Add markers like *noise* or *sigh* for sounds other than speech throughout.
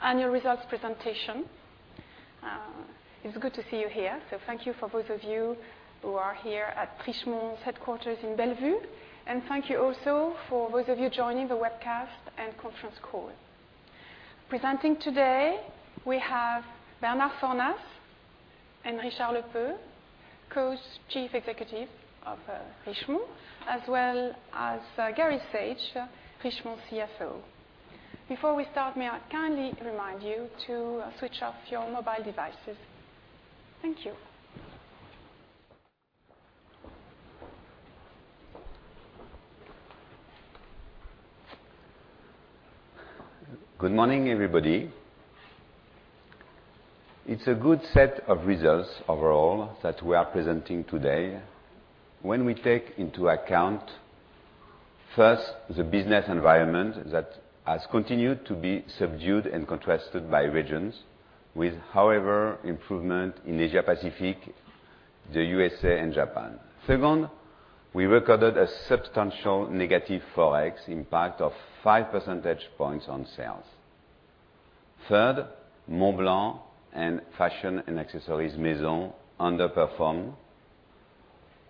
Annual results presentation. It's good to see you here. Thank you for those of you who are here at Richemont's headquarters in Bellevue, and thank you also for those of you joining the webcast and conference call. Presenting today we have Bernard Fornas and Richard Lepeu, Co-Chief Executive of Richemont, as well as Gary Saage, Richemont CFO. Before we start, may I kindly remind you to switch off your mobile devices. Thank you. Good morning, everybody. It's a good set of results overall that we are presenting today when we take into account, first, the business environment that has continued to be subdued and contrasted by regions with, however, improvement in Asia-Pacific, the U.S.A., and Japan. Second, we recorded a substantial negative forex impact of five percentage points on sales. Third, Montblanc and Fashion & Accessories Maison underperformed.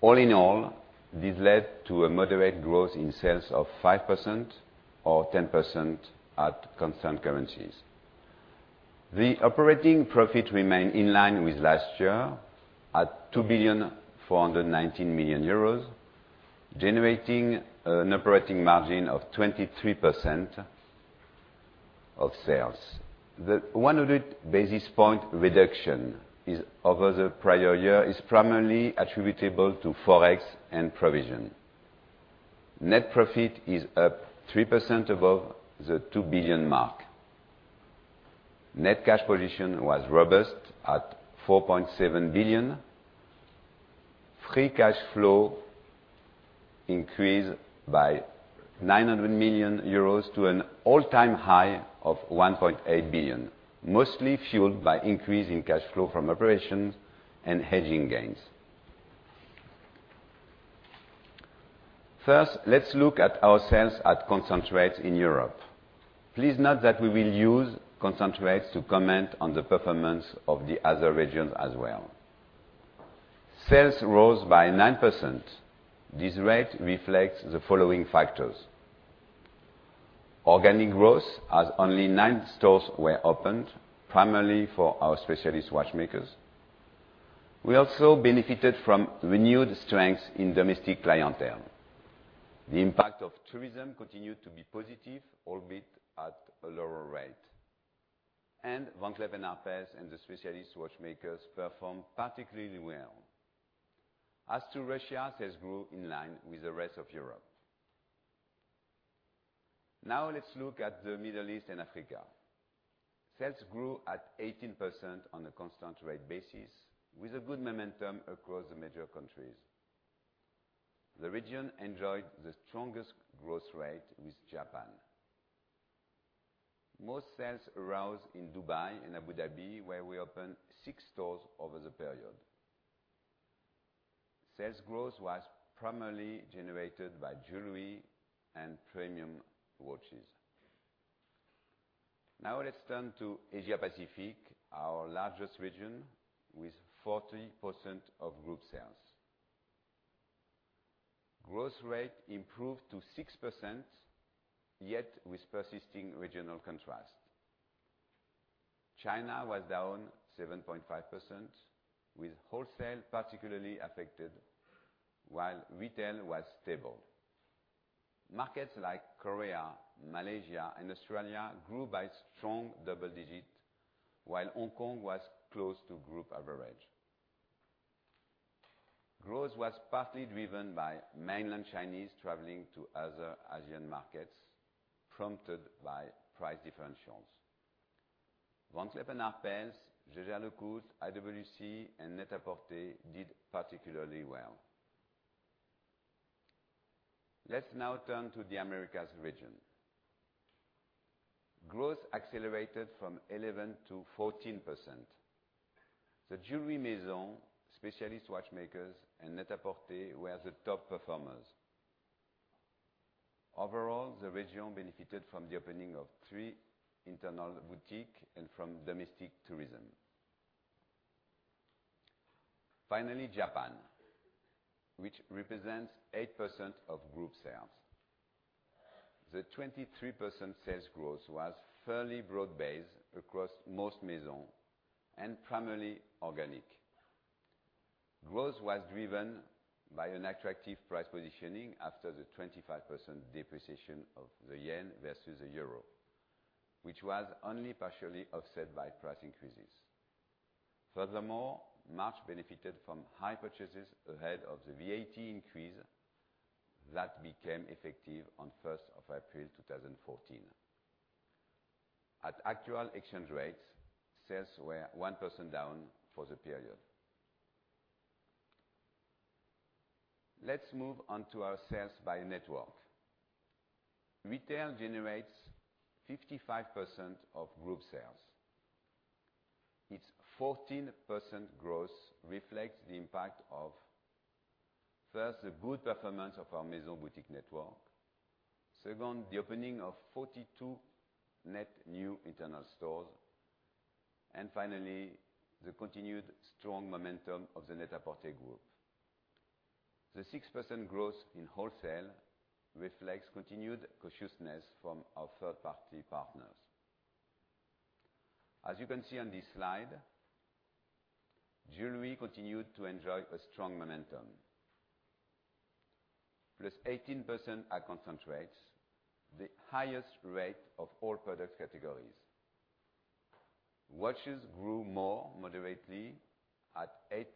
All in all, this led to a moderate growth in sales of 5% or 10% at constant currencies. The operating profit remained in line with last year at 2.419 billion, generating an operating margin of 23% of sales. The 100 basis point reduction over the prior year is primarily attributable to forex and provision. Net profit is up 3% above the 2 billion mark. Net cash position was robust at 4.7 billion. Free cash flow increased by 900 million euros to an all-time high of 1.8 billion, mostly fueled by increase in cash flow from operations and hedging gains. Let's look at our sales at constant rates in Europe. Please note that we will use constant rates to comment on the performance of the other regions as well. Sales rose by 9%. This rate reflects the following factors. Organic growth, as only nine stores were opened, primarily for our specialist watchmakers. We also benefited from renewed strength in domestic clientele. The impact of tourism continued to be positive, albeit at a lower rate. Van Cleef & Arpels and the specialist watchmakers performed particularly well. As to Russia, sales grew in line with the rest of Europe. Let's look at the Middle East and Africa. Sales grew at 18% on a constant rate basis with a good momentum across the major countries. The region enjoyed the strongest growth rate with Japan. Most sales arose in Dubai and Abu Dhabi, where we opened six stores over the period. Sales growth was primarily generated by jewelry and premium watches. Let's turn to Asia-Pacific, our largest region with 40% of group sales. Growth rate improved to 6%, yet with persisting regional contrast. China was down 7.5%, with wholesale particularly affected while retail was stable. Markets like Korea, Malaysia, and Australia grew by strong double digits, while Hong Kong was close to group average. Growth was partly driven by mainland Chinese traveling to other Asian markets, prompted by price differentials. Van Cleef & Arpels, Jaeger-LeCoultre, IWC, and Net-a-Porter did particularly well. Let's now turn to the Americas region. Growth accelerated from 11%-14%. The Jewelry Maison, Specialist Watchmakers, and Net-a-Porter were the top performers. Overall, the region benefited from the opening of three internal boutique and from domestic tourism. Finally, Japan, which represents 8% of group sales. The 23% sales growth was fairly broad-based across most Maison and primarily organic. Growth was driven by an attractive price positioning after the 25% depreciation of the yen versus the euro, which was only partially offset by price increases. March benefited from high purchases ahead of the VAT increase that became effective on April 1, 2014. At actual exchange rates, sales were 1% down for the period. Let's move on to our sales by network. Retail generates 55% of group sales. Its 14% growth reflects the impact of, first, the good performance of our Maison boutique network. Second, the opening of 42 net new internal stores. Finally, the continued strong momentum of The Net-A-Porter Group. The 6% growth in wholesale reflects continued cautiousness from our third-party partners. As you can see on this slide, jewelry continued to enjoy a strong momentum, +18% at constant rates, the highest rate of all product categories. Watches grew more moderately at 8%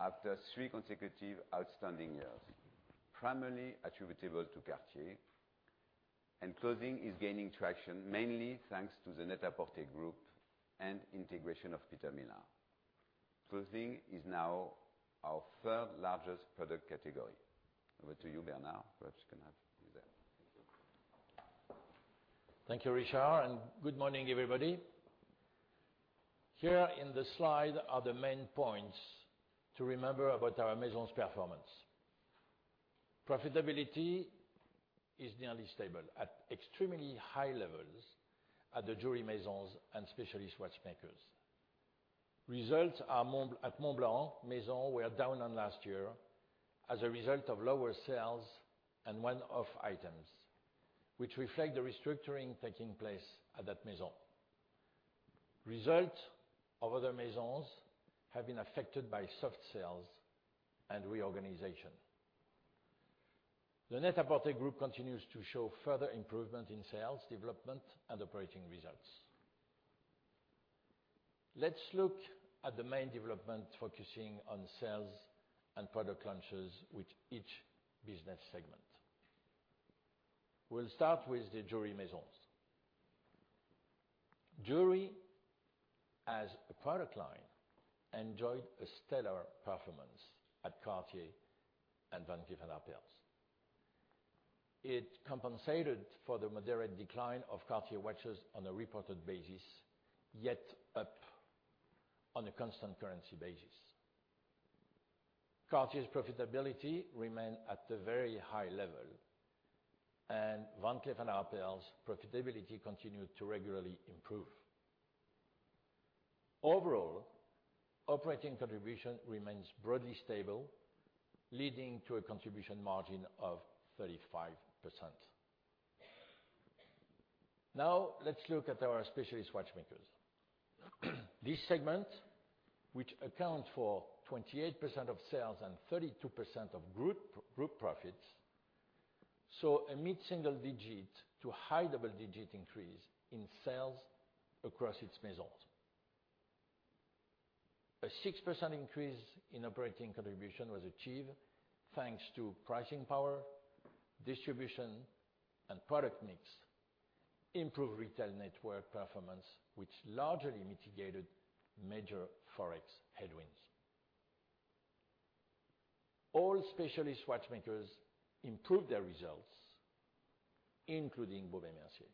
after three consecutive outstanding years, primarily attributable to Cartier. Clothing is gaining traction, mainly thanks to The Net-A-Porter Group and integration of Peter Millar. Clothing is now our third-largest product category. Over to you, Bernard. Perhaps you can have this there. Thank you. Thank you, Richard, and good morning, everybody. Here in the slide are the main points to remember about our Maison's performance. Profitability is nearly stable at extremely high levels at the Jewelry Maisons and specialist watchmakers. Results at Montblanc Maison were down on last year as a result of lower sales and one-off items, which reflect the restructuring taking place at that Maison. Results of other Maisons have been affected by soft sales and reorganization. The Net-A-Porter Group continues to show further improvement in sales, development, and operating results. Let's look at the main development, focusing on sales and product launches with each business segment. We'll start with the Jewelry Maisons. Jewelry as a product line enjoyed a stellar performance at Cartier and Van Cleef & Arpels. It compensated for the moderate decline of Cartier watches on a reported basis, yet up on a constant currency basis. Cartier's profitability remained at a very high level, and Van Cleef & Arpels profitability continued to regularly improve. Overall, operating contribution remains broadly stable, leading to a contribution margin of 35%. Let's look at our specialist watchmakers. This segment, which accounts for 28% of sales and 32% of group profits, saw a mid-single digit to high double-digit increase in sales across its Maisons. A 6% increase in operating contribution was achieved thanks to pricing power, distribution, and product mix, improved retail network performance, which largely mitigated major Forex headwinds. All specialist watchmakers improved their results, including Baume & Mercier.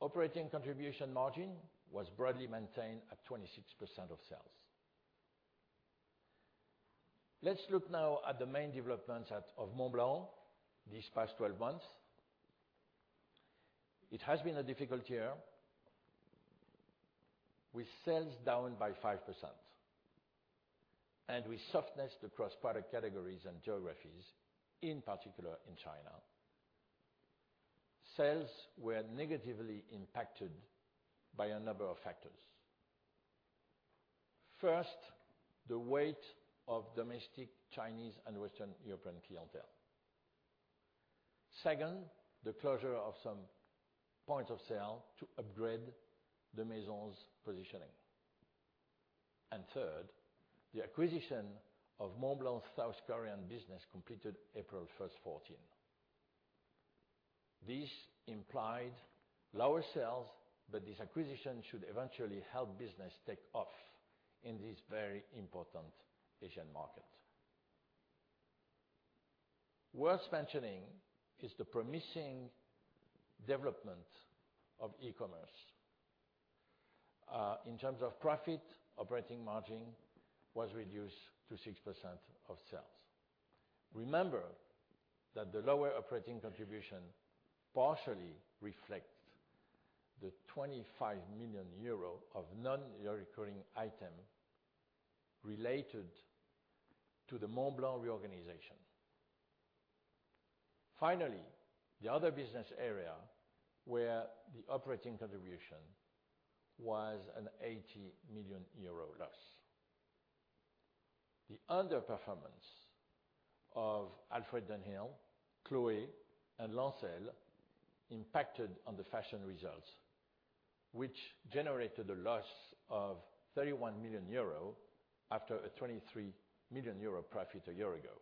Operating contribution margin was broadly maintained at 26% of sales. Let's look now at the main developments of Montblanc these past 12 months. It has been a difficult year with sales down by 5% and with softness across product categories and geographies, in particular in China. Sales were negatively impacted by a number of factors. First, the weight of domestic Chinese and Western European clientele. Second, the closure of some point of sale to upgrade the Maison's positioning. Third, the acquisition of Montblanc's South Korean business completed April 1, 2014. This implied lower sales, but this acquisition should eventually help business take off in this very important Asian market. Worth mentioning is the promising development of e-commerce. In terms of profit, operating margin was reduced to 6% of sales. Remember that the lower operating contribution partially reflects the EUR 25 million of non-recurring item related to the Montblanc reorganization. Finally, the other business area where the operating contribution was an 80 million euro loss. The underperformance of Alfred Dunhill, Chloé, and Lancel impacted on the fashion results, which generated a loss of 31 million euro after a 23 million euro profit a year ago.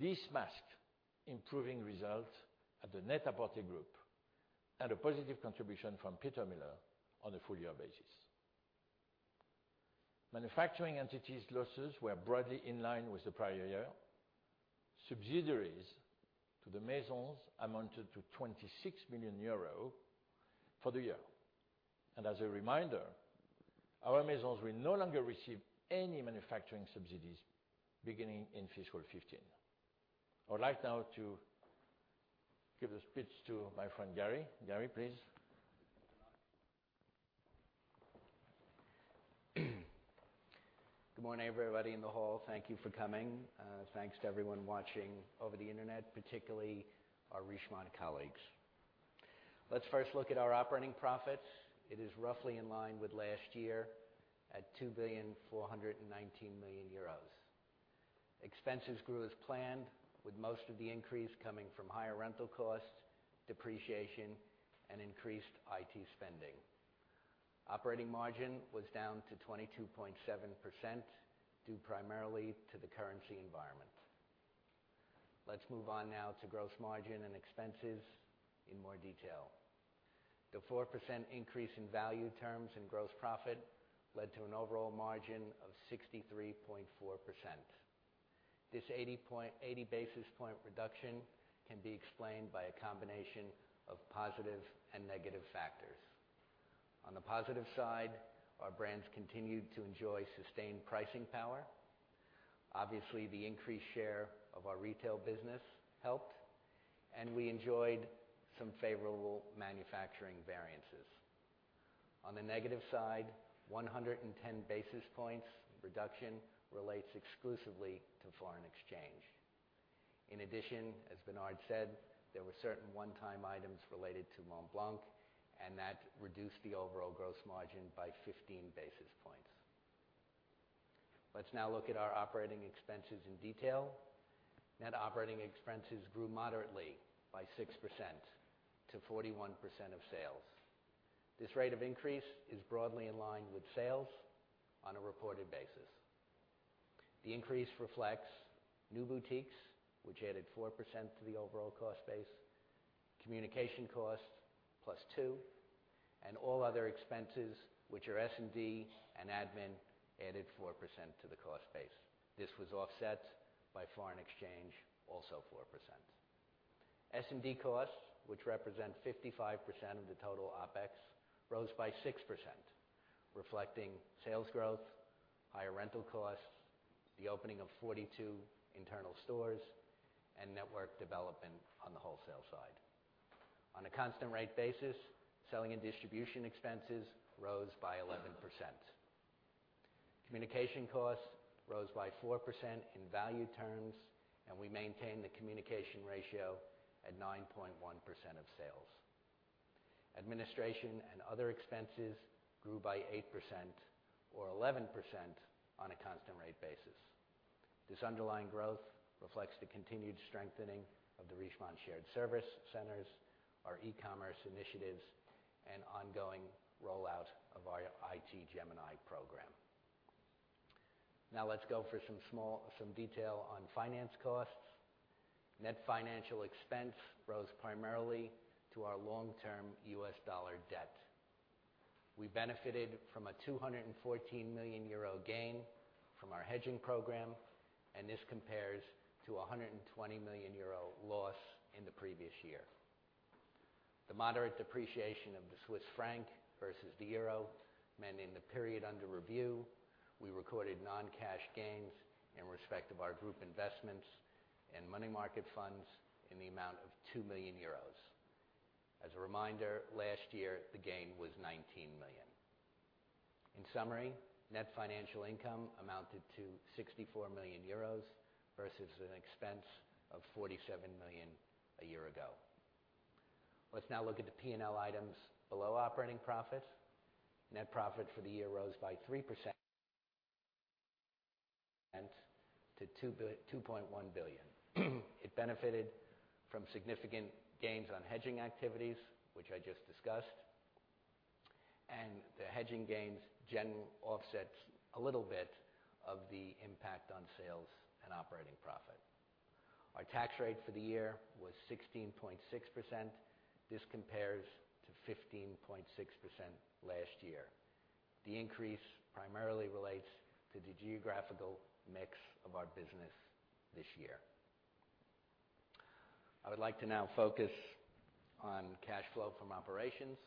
This masked improving results at the Net-A-Porter Group and a positive contribution from Peter Millar on a full-year basis. Manufacturing entities losses were broadly in line with the prior year. Subsidiaries to the Maisons amounted to 26 million euros for the year. As a reminder, our Maisons will no longer receive any manufacturing subsidies beginning in fiscal 2015. I would like now to give the speech to my friend, Gary. Gary, please. Good morning, everybody in the hall. Thank you for coming. Thanks to everyone watching over the Internet, particularly our Richemont colleagues. Let's first look at our operating profits. It is roughly in line with last year at 2.419 billion euros. Expenses grew as planned, with most of the increase coming from higher rental costs, depreciation, and increased IT spending. Operating margin was down to 22.7%, due primarily to the currency environment. Let's move on now to gross margin and expenses in more detail. The 4% increase in value terms in gross profit led to an overall margin of 63.4%. This 80 basis point reduction can be explained by a combination of positive and negative factors. On the positive side, our brands continued to enjoy sustained pricing power. Obviously, the increased share of our retail business helped, and we enjoyed some favorable manufacturing variances. On the negative side, 110 basis points reduction relates exclusively to foreign exchange. In addition, as Bernard said, there were certain one-time items related to Montblanc, and that reduced the overall gross margin by 15 basis points. Let's now look at our operating expenses in detail. Net operating expenses grew moderately by 6% to 41% of sales. This rate of increase is broadly in line with sales on a reported basis. The increase reflects new boutiques, which added 4% to the overall cost base, communication costs +2%, and all other expenses, which are S&D and admin, added 4% to the cost base. This was offset by foreign exchange, also 4%. S&D costs, which represent 55% of the total OpEx, rose by 6%, reflecting sales growth, higher rental costs, the opening of 42 internal stores, and network development on the wholesale side. On a constant rate basis, selling and distribution expenses rose by 11%. We maintained the communication ratio at 9.1% of sales. Communication costs rose by 4% in value terms. Administration and other expenses grew by 8% or 11% on a constant rate basis. This underlying growth reflects the continued strengthening of the Richemont shared service centers, our e-commerce initiatives, and ongoing rollout of our IT Gemini program. Now let's go for some detail on finance costs. Net financial expense rose primarily to our long-term U.S. dollar debt. We benefited from a 214 million euro gain from our hedging program. This compares to a 120 million euro loss in the previous year. The moderate depreciation of the Swiss franc versus the euro meant in the period under review, we recorded non-cash gains in respect of our group investments and money market funds in the amount of 2 million euros. As a reminder, last year, the gain was 19 million. In summary, net financial income amounted to 64 million euros versus an expense of 47 million a year ago. Let's now look at the P&L items below operating profits. Net profit for the year rose by 3% to 2.1 billion. It benefited from significant gains on hedging activities, which I just discussed. The hedging gains offsets a little bit of the impact on sales and operating profit. Our tax rate for the year was 16.6%. This compares to 15.6% last year. The increase primarily relates to the geographical mix of our business this year. I would like to now focus on cash flow from operations.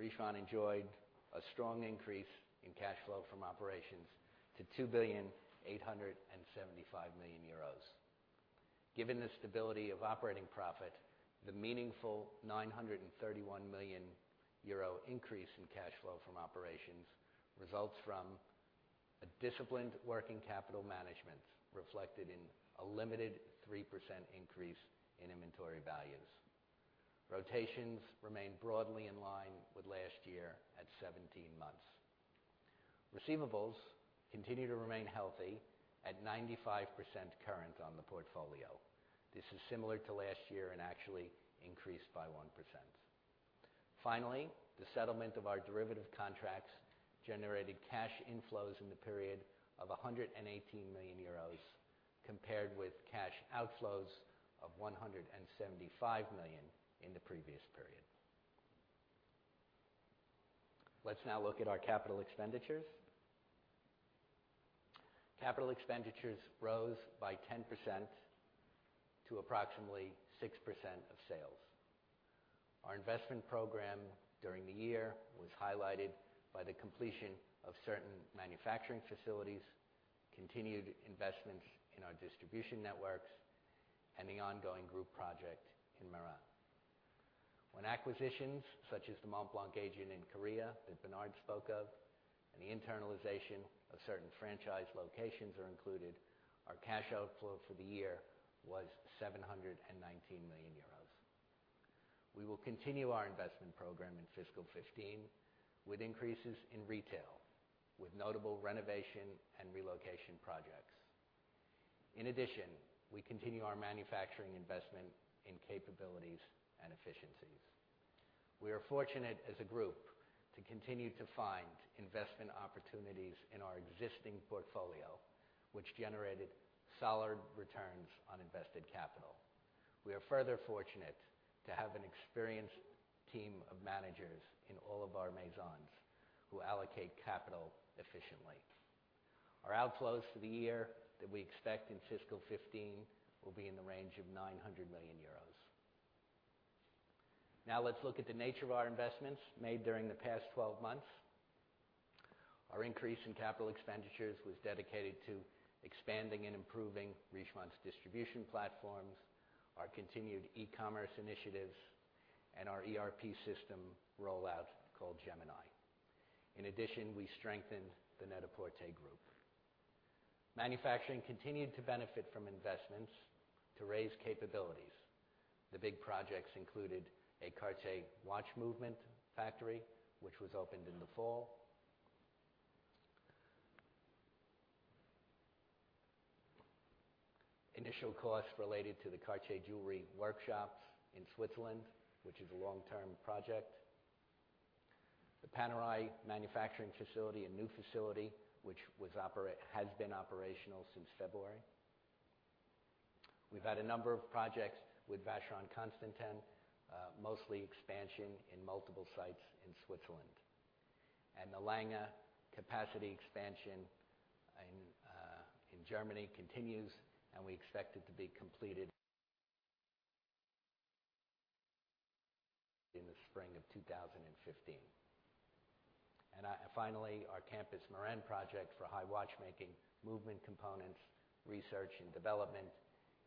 Richemont enjoyed a strong increase in cash flow from operations to 2.875 billion. Given the stability of operating profit, the meaningful 931 million euro increase in cash flow from operations results from a disciplined working capital management reflected in a limited 3% increase in inventory values. Rotations remain broadly in line with last year at 17 months. Receivables continue to remain healthy at 95% current on the portfolio. This is similar to last year and actually increased by 1%. Finally, the settlement of our derivative contracts generated cash inflows in the period of 118 million euros, compared with cash outflows of 175 million in the previous period. Let's now look at our capital expenditures. Capital expenditures rose by 10% to approximately 6% of sales. Our investment program during the year was highlighted by the completion of certain manufacturing facilities, continued investments in our distribution networks, and the ongoing group project in Meyrin. When acquisitions such as the Montblanc agent in Korea that Bernard spoke of and the internalization of certain franchise locations are included, our cash outflow for the year was 719 million euros. We will continue our investment program in fiscal 2015 with increases in retail, with notable renovation and relocation projects. In addition, we continue our manufacturing investment in capabilities and efficiencies. We are fortunate as a group to continue to find investment opportunities in our existing portfolio, which generated solid returns on invested capital. We are further fortunate to have an experienced team of managers in all of our Maisons who allocate capital efficiently. Our outflows for the year that we expect in fiscal 2015 will be in the range of 900 million euros. Now let's look at the nature of our investments made during the past 12 months. Our increase in capital expenditures was dedicated to expanding and improving Richemont's distribution platforms, our continued e-commerce initiatives, and our ERP system rollout called Gemini. In addition, we strengthened the Net-a-Porter Group. Manufacturing continued to benefit from investments to raise capabilities. The big projects included a Cartier watch movement factory, which was opened in the fall. Initial costs related to the Cartier jewelry workshops in Switzerland, which is a long-term project. The Panerai manufacturing facility, a new facility which has been operational since February. We've had a number of projects with Vacheron Constantin, mostly expansion in multiple sites in Switzerland. The Lange capacity expansion in Germany continues, and we expect it to be completed in the spring of 2015. Finally, our Campus Meyrin project for high watchmaking movement components research and development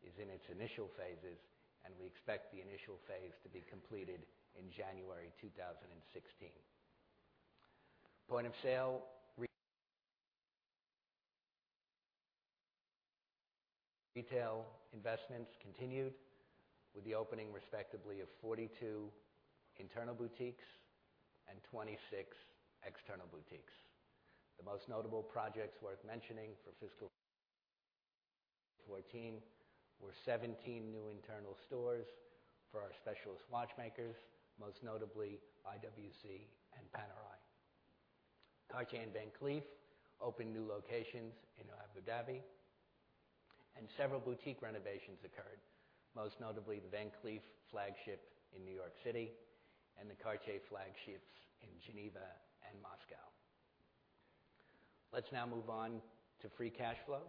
is in its initial phases, and we expect the initial phase to be completed in January 2016. Point-of-sale retail investments continued with the opening respectively of 42 internal boutiques and 26 external boutiques. The most notable projects worth mentioning for fiscal 2014 were 17 new internal stores for our specialist watchmakers, most notably IWC and Panerai. Cartier and Van Cleef opened new locations in Abu Dhabi, and several boutique renovations occurred, most notably the Van Cleef flagship in New York City and the Cartier flagships in Geneva and Moscow. Let's now move on to free cash flow.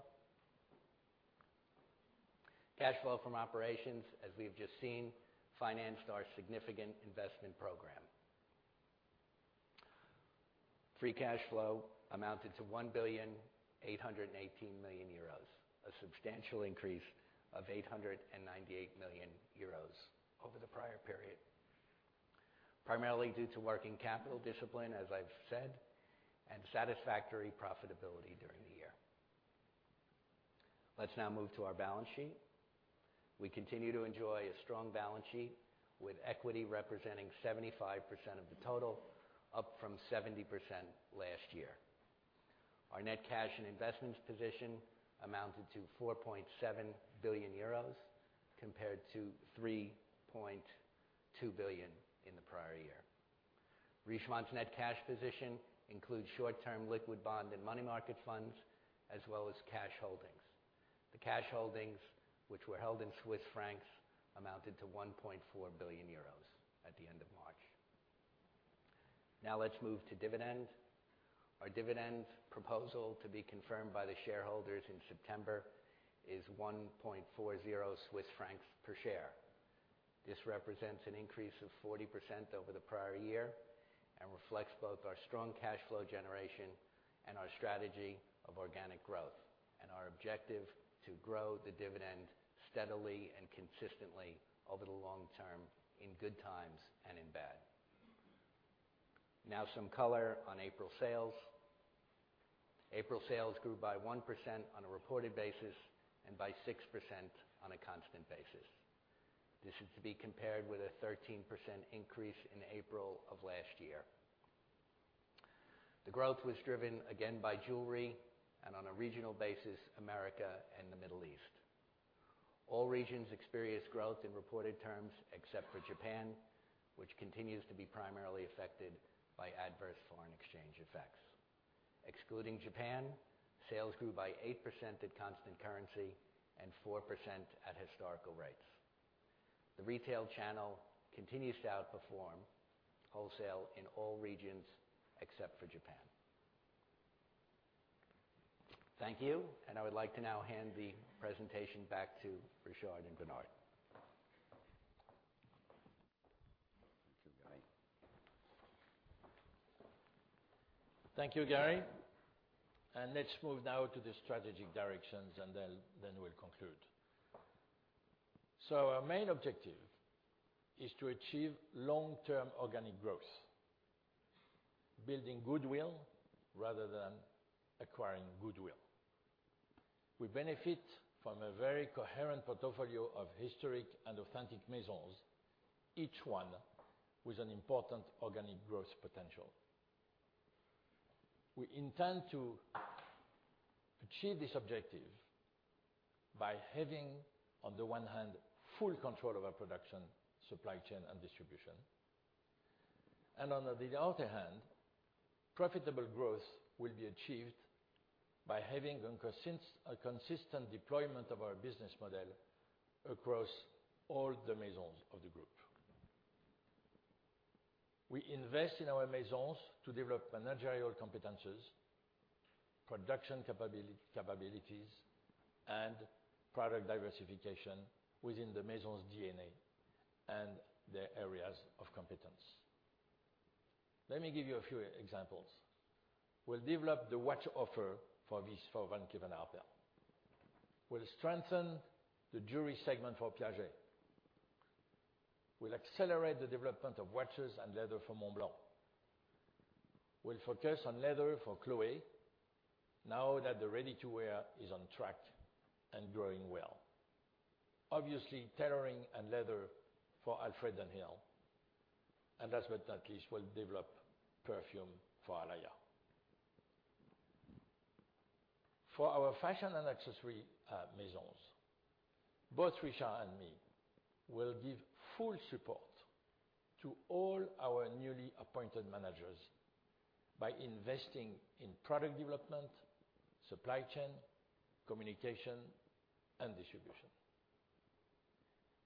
Cash flow from operations, as we've just seen, financed our significant investment program. Free cash flow amounted to 1.818 billion, a substantial increase of 898 million euros over the prior period, primarily due to working capital discipline, as I've said, and satisfactory profitability during the year. Let's now move to our balance sheet. We continue to enjoy a strong balance sheet with equity representing 75% of the total, up from 70% last year. Our net cash and investments position amounted to 4.7 billion euros compared to 3.2 billion in the prior year. Richemont's net cash position includes short-term liquid bond and money market funds as well as cash holdings. The cash holdings, which were held in Swiss francs, amounted to 1.4 billion euros at the end of March. Let's move to dividend. Our dividend proposal to be confirmed by the shareholders in September is 1.40 Swiss francs per share. This represents an increase of 40% over the prior year and reflects both our strong cash flow generation and our strategy of organic growth and our objective to grow the dividend steadily and consistently over the long term in good times and in bad. Some color on April sales. April sales grew by 1% on a reported basis and by 6% on a constant basis. This is to be compared with a 13% increase in April of last year. The growth was driven again by jewelry and on a regional basis, America and the Middle East. All regions experienced growth in reported terms except for Japan, which continues to be primarily affected by adverse foreign exchange effects. Excluding Japan, sales grew by 8% at constant currency and 4% at historical rates. The retail channel continues to outperform wholesale in all regions except for Japan. Thank you. I would like to now hand the presentation back to Richard and Bernard. Thank you, Gary. Thank you, Gary. Let's move now to the strategic directions, then we'll conclude. Our main objective is to achieve long-term organic growth, building goodwill rather than acquiring goodwill. We benefit from a very coherent portfolio of historic and authentic Maisons, each one with an important organic growth potential. We intend to achieve this objective by having, on the one hand, full control of our production, supply chain, and distribution. On the other hand, profitable growth will be achieved by having a consistent deployment of our business model across all the Maisons of the group. We invest in our Maisons to develop managerial competences, production capabilities, and product diversification within the Maison's DNA and their areas of competence. Let me give you a few examples. We'll develop the watch offer for Van Cleef & Arpels. We'll strengthen the jewelry segment for Piaget. We'll accelerate the development of watches and leather for Montblanc. We'll focus on leather for Chloé now that the ready-to-wear is on track and growing well. Obviously, tailoring and leather for Alfred Dunhill. Last but not least, we'll develop perfume for Alaïa. For our fashion and accessory Maisons, both Richard and me will give full support to all our newly appointed managers by investing in product development, supply chain, communication, and distribution.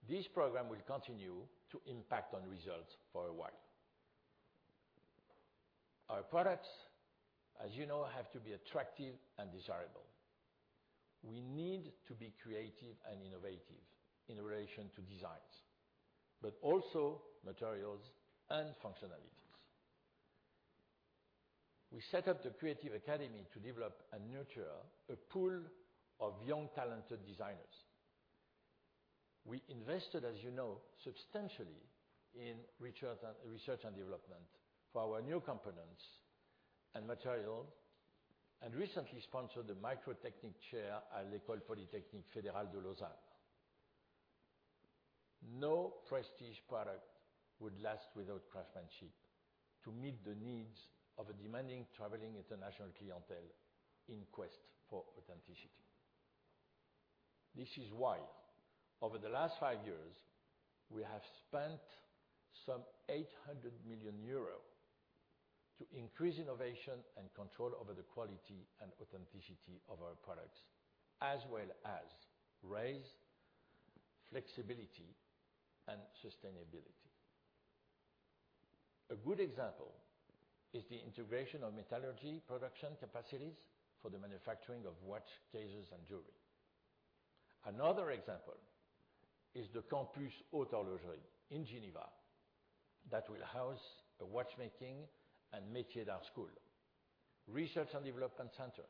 This program will continue to impact on results for a while. Our products, as you know, have to be attractive and desirable. We need to be creative and innovative in relation to designs, but also materials and functionalities. We set up the Creative Academy to develop and nurture a pool of young, talented designers. We invested, as you know, substantially in research and development for our new components and material, and recently sponsored the Microtechnique Chair at l'École Polytechnique Fédérale de Lausanne. No prestige product would last without craftsmanship to meet the needs of a demanding, traveling international clientele in quest for authenticity. This is why over the last five years, we have spent some 800 million euro to increase innovation and control over the quality and authenticity of our products, as well as raise flexibility and sustainability. A good example is the integration of metallurgy production capacities for the manufacturing of watch cases and jewelry. Another example is the Campus Haute Horlogerie in Geneva that will house a watchmaking and Métiers d'art school, research and development center,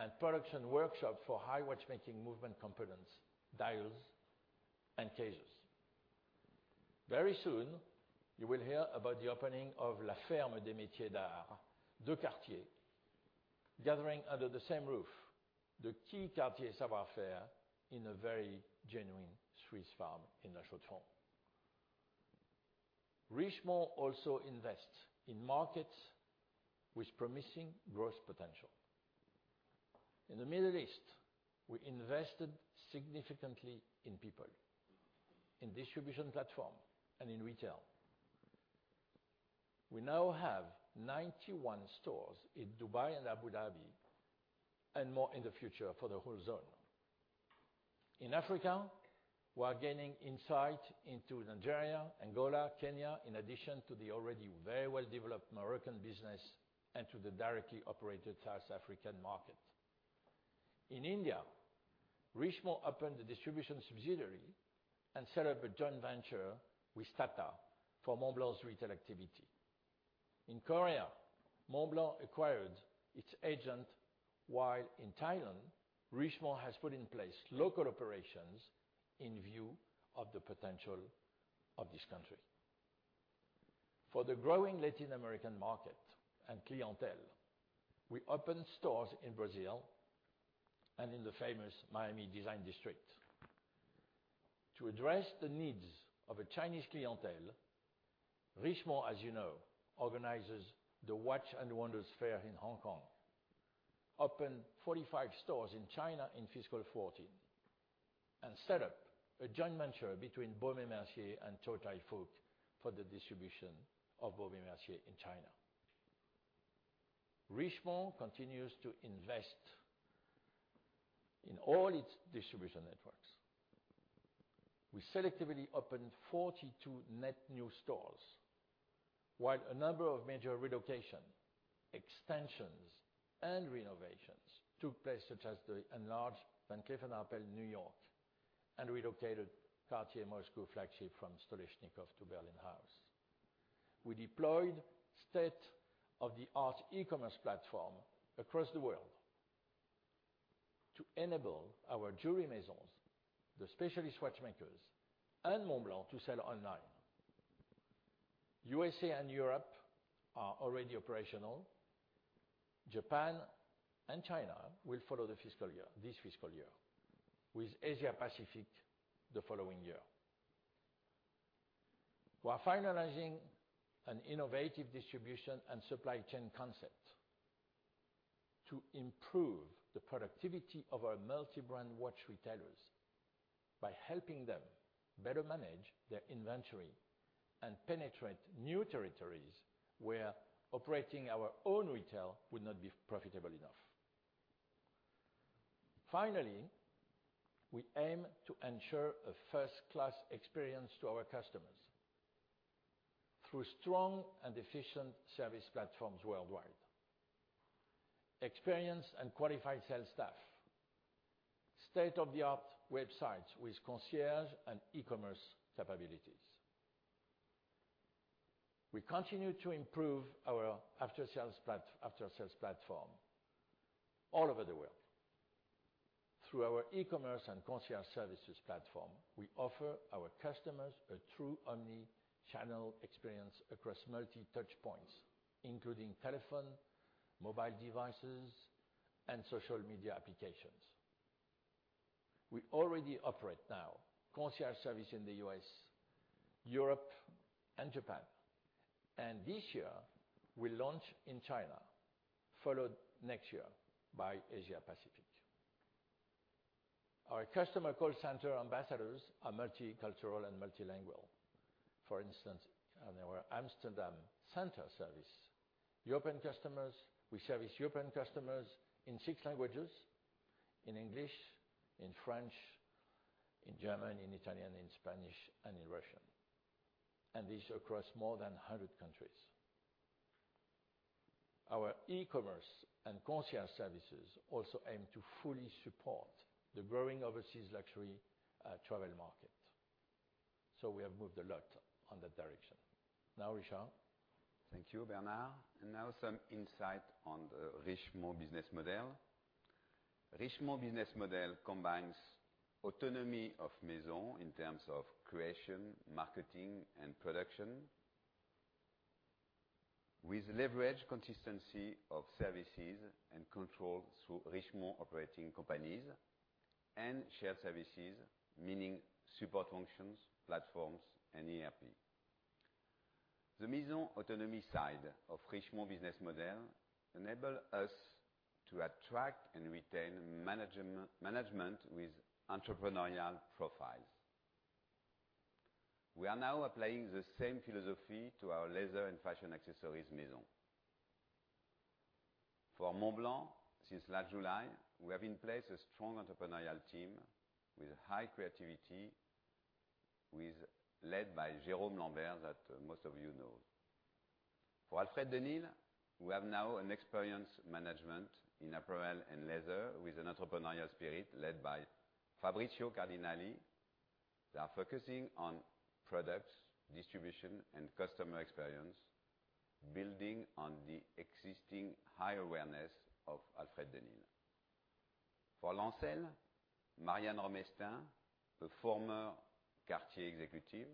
and production workshop for high watchmaking movement components, dials, and cases. Very soon, you will hear about the opening of La Ferme des Métiers d'art de Cartier, gathering under the same roof the key Cartier savoir-faire in a very genuine Swiss farm in La Chaux-de-Fonds. Richemont also invests in markets with promising growth potential. In the Middle East, we invested significantly in people, in distribution platform, and in retail. We now have 91 stores in Dubai and Abu Dhabi, and more in the future for the whole zone. In Africa, we are gaining insight into Nigeria, Angola, Kenya, in addition to the already very well-developed Moroccan business and to the directly operated South African market. In India, Richemont opened a distribution subsidiary and set up a joint venture with Tata for Montblanc's retail activity. In Korea, Montblanc acquired its agent, while in Thailand, Richemont has put in place local operations in view of the potential of this country. For the growing Latin American market and clientele, we opened stores in Brazil and in the famous Miami Design District. To address the needs of a Chinese clientele, Richemont, as you know, organizes the Watches & Wonders fair in Hong Kong. Opened 45 stores in China in fiscal 2014 and set up a joint venture between Baume & Mercier and Chow Tai Fook for the distribution of Baume & Mercier in China. Richemont continues to invest in all its distribution networks. We selectively opened 42 net new stores, while a number of major relocation, extensions, and renovations took place, such as the enlarged Van Cleef & Arpels New York and relocated Cartier Moscow flagship from Stoleshnikov to Berlin House. We deployed state-of-the-art e-commerce platform across the world to enable our jewelry Maisons, the specialist watchmakers, and Montblanc to sell online. U.S.A. and Europe are already operational. Japan and China will follow the fiscal year, this fiscal year, with Asia-Pacific the following year. We are finalizing an innovative distribution and supply chain concept to improve the productivity of our multi-brand watch retailers by helping them better manage their inventory and penetrate new territories where operating our own retail would not be profitable enough. Finally, we aim to ensure a first-class experience to our customers through strong and efficient service platforms worldwide. Experienced and qualified sales staff, state-of-the-art websites with concierge and e-commerce capabilities. We continue to improve our after-sales platform all over the world. Through our e-commerce and concierge services platform, we offer our customers a true omni-channel experience across multi-touch points, including telephone, mobile devices, and social media applications. We already operate now concierge service in the U.S., Europe, and Japan. This year, we launch in China, followed next year by Asia-Pacific. Our customer call center ambassadors are multicultural and multilingual. For instance, on our Amsterdam center service, we service European customers in six languages, in English, in French, in German, in Italian, in Spanish, and in Russian. This across more than 100 countries. Our e-commerce and concierge services also aim to fully support the growing overseas luxury travel market. We have moved a lot on that direction. Now, Richard. Thank you, Bernard. Now some insight on the Richemont business model. Richemont business model combines autonomy of Maison in terms of creation, marketing, and production, with leveraged consistency of services and control through Richemont operating companies and shared services, meaning support functions, platforms, and ERP. The Maison autonomy side of Richemont business model enable us to attract and retain management with entrepreneurial profiles. We are now applying the same philosophy to our leather and fashion accessories Maison. For Montblanc, since last July, we have in place a strong entrepreneurial team with high creativity, led by Jérôme Lambert that most of you know. For Alfred Dunhill, we have now an experienced management in apparel and leather with an entrepreneurial spirit led by Fabrizio Cardinali. They are focusing on products, distribution, and customer experience, building on the existing high awareness of Alfred Dunhill. For Lancel, Marianne Romestain, a former Cartier executive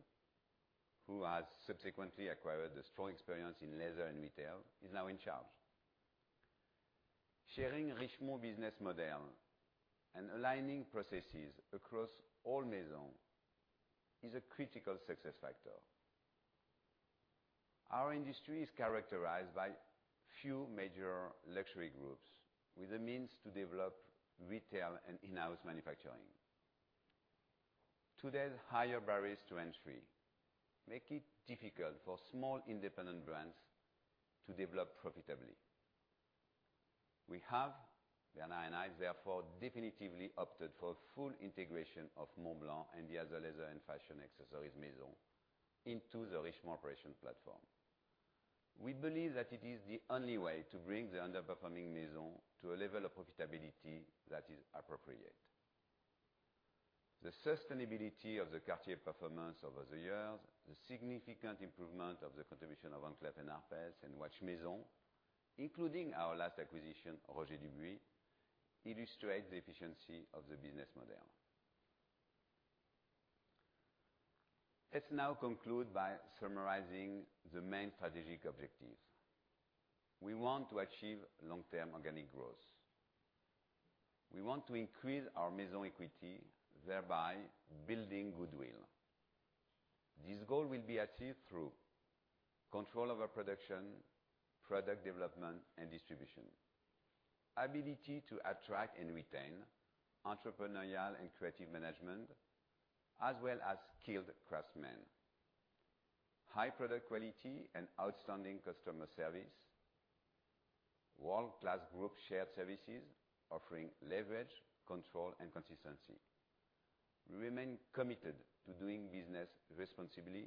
who has subsequently acquired a strong experience in leather and retail, is now in charge. Sharing Richemont business model and aligning processes across all Maison is a critical success factor. Our industry is characterized by few major luxury groups with the means to develop retail and in-house manufacturing. Today, the higher barriers to entry make it difficult for small independent brands to develop profitably. We have, Bernard and I, therefore, definitively opted for full integration of Montblanc and the other leather and fashion accessories Maison into the Richemont operation platform. We believe that it is the only way to bring the underperforming Maison to a level of profitability that is appropriate. The sustainability of the Cartier performance over the years, the significant improvement of the contribution of Van Cleef & Arpels and Watch Maison, including our last acquisition, Roger Dubuis illustrates the efficiency of the business model. Let's now conclude by summarizing the main strategic objectives. We want to achieve long-term organic growth. We want to increase our Maison equity, thereby building goodwill. This goal will be achieved through control over production, product development, and distribution. Ability to attract and retain entrepreneurial and creative management, as well as skilled craftsmen. High product quality and outstanding customer service. World-class group shared services offering leverage, control, and consistency. We remain committed to doing business responsibly.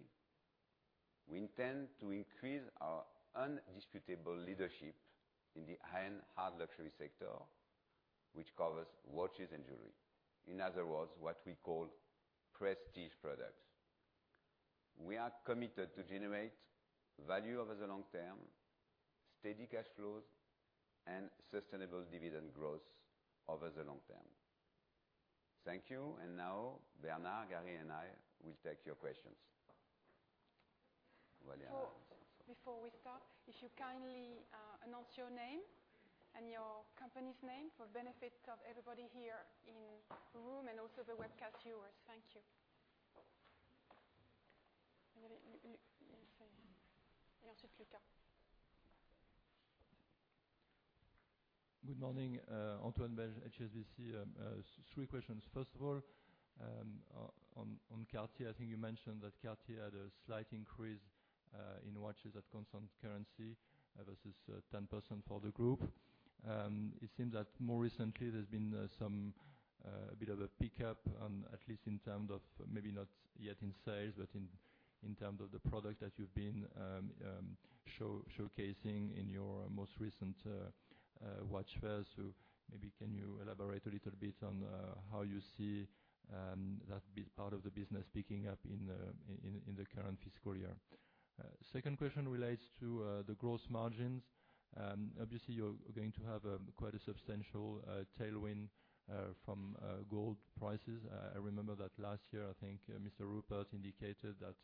We intend to increase our undisputable leadership in the high-end hard luxury sector, which covers watches and jewelry. In other words, what we call prestige products. We are committed to generate value over the long term, steady cash flows, and sustainable dividend growth over the long term. Thank you. Now Bernard, Gary, and I will take your questions. Before we start, if you kindly announce your name and your company's name for benefit of everybody here in the room and also the webcast viewers. Thank you. *inaudible* Good morning, Antoine Belge, HSBC. Three questions. First of all, on Cartier, I think you mentioned that Cartier had a slight increase in watches at constant currency versus 10% for the group. It seems that more recently there's been some a bit of a pickup on at least in terms of maybe not yet in sales, but in terms of the product that you've been showcasing in your most recent watch fair. Maybe can you elaborate a little bit on how you see that part of the business picking up in the current fiscal year? Second question relates to the gross margins. Obviously you're going to have quite a substantial tailwind from gold prices. I remember that last year, I think Johann Rupert indicated that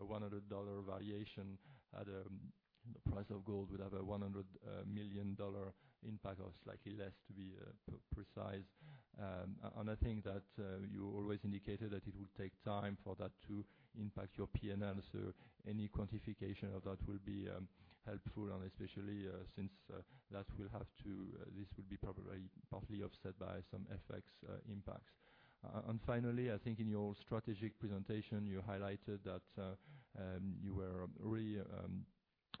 a $100 valuation at the price of gold would have a $100 million impact, or slightly less to be pre-precise. I think that you always indicated that it would take time for that to impact your P&L. Any quantification of that will be helpful, and especially since this will be probably partly offset by some FX impacts. Finally, I think in your strategic presentation, you highlighted that you were really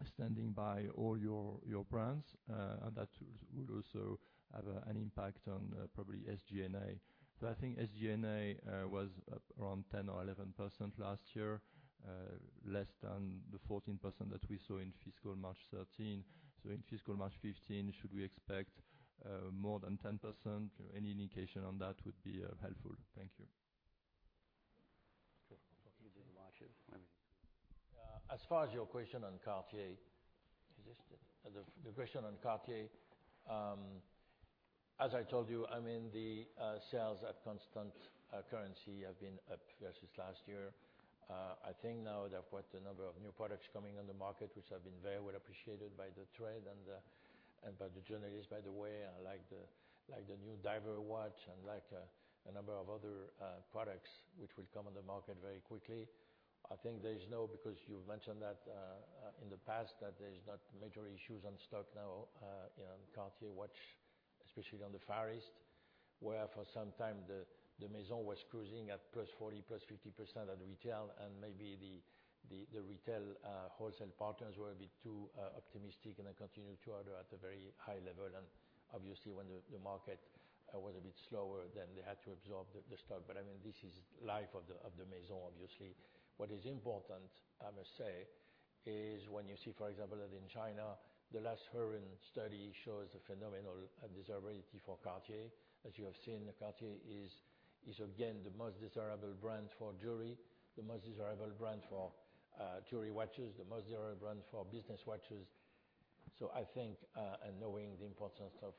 standing by all your brands, and that would also have an impact on probably SG&A. I think SG&A was around 10% or 11% last year, less than the 14% that we saw in fiscal March 2013. In fiscal March 2015, should we expect more than 10%? Any indication on that would be helpful. Thank you. Sure. As far as your question on Cartier. Is this it? The question on Cartier, as I told you, the sales at constant currency have been up versus last year. I think now there are quite a number of new products coming on the market which have been very well appreciated by the trade and by the journalists, by the way. I like the new diver watch and a number of other products which will come on the market very quickly. I think there is no, because you mentioned that, in the past that there is not major issues on stock now, in Cartier watch, especially on the Far East, where for some time the Maison was cruising at +40%, +50% at retail and maybe the retail wholesale partners were a bit too optimistic and then continued to order at a very high level. Obviously, when the market was a bit slower, then they had to absorb the stock. I mean, this is life of the Maison, obviously. What is important, I must say, is when you see, for example, that in China, the last Hurun study shows a phenomenal desirability for Cartier. As you have seen, Cartier is again the most desirable brand for jewelry, the most desirable brand for jewelry watches, the most desirable brand for business watches. I think, and knowing the importance of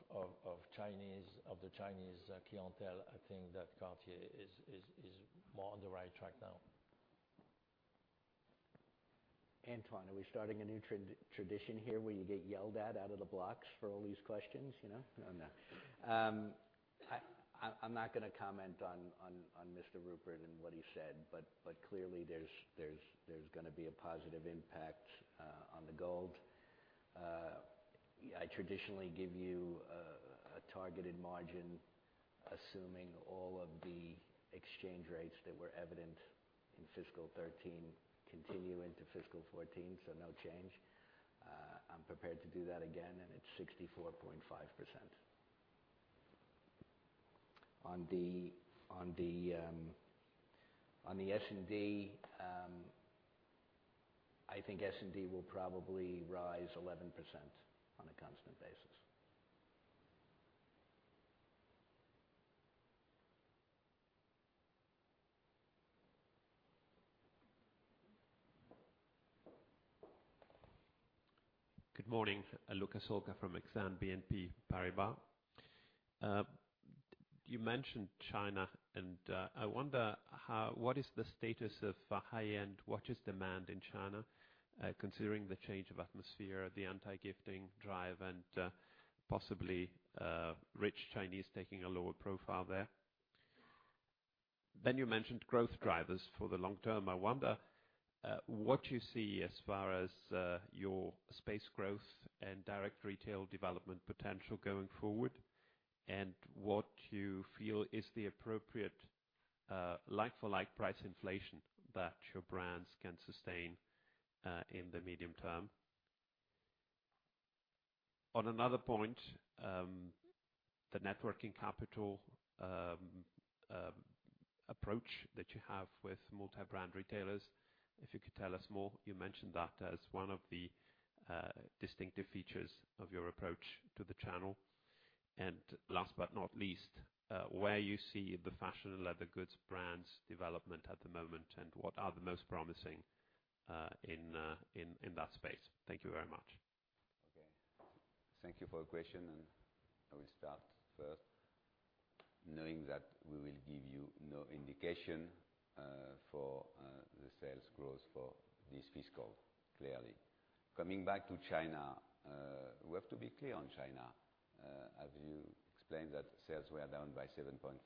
Chinese, of the Chinese clientele, I think that Cartier is more on the right track now. Antoine, are we starting a new tradition here where you get yelled at out of the blocks for all these questions, you know? No, I'm not. I'm not gonna comment on Mr. Rupert and what he said, but clearly there's gonna be a positive impact on the gold. I traditionally give you a targeted margin assuming all of the exchange rates that were evident in fiscal 2013 continue into fiscal 2014, so no change. I'm prepared to do that again, and it's 64.5%. On the S&D, I think S&D will probably rise 11% on a constant basis. Good morning. Luca Solca from Exane BNP Paribas. You mentioned China, I wonder what is the status of high-end watches demand in China, considering the change of atmosphere, the anti-gifting drive, possibly rich Chinese taking a lower profile there? You mentioned growth drivers for the long term. I wonder what you see as far as your space growth and direct retail development potential going forward, what you feel is the appropriate like-for-like price inflation that your brands can sustain in the medium term. On another point, the networking capital approach that you have with multi-brand retailers, if you could tell us more. You mentioned that as one of the distinctive features of your approach to the channel. Last but not least, where you see the fashion and leather goods brands development at the moment, and what are the most promising in that space? Thank you very much. Okay. Thank you for your question. I will start first. Knowing that we will give you no indication for the sales growth for this fiscal, clearly. Coming back to China, we have to be clear on China. As you explained that sales were down by 7.5,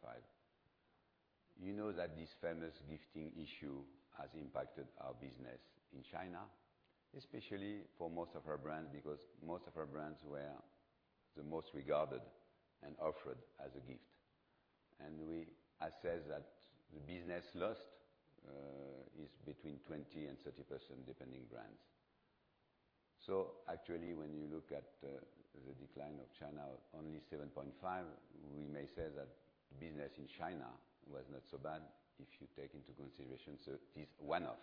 you know that this famous gifting issue has impacted our business in China, especially for most of our brands, because most of our brands were the most regarded and offered as a gift. We assess that the business lost is between 20% and 30% depending brands. Actually, when you look at the decline of China, only 7.5, we may say that business in China was not so bad if you take into consideration so it is one-off.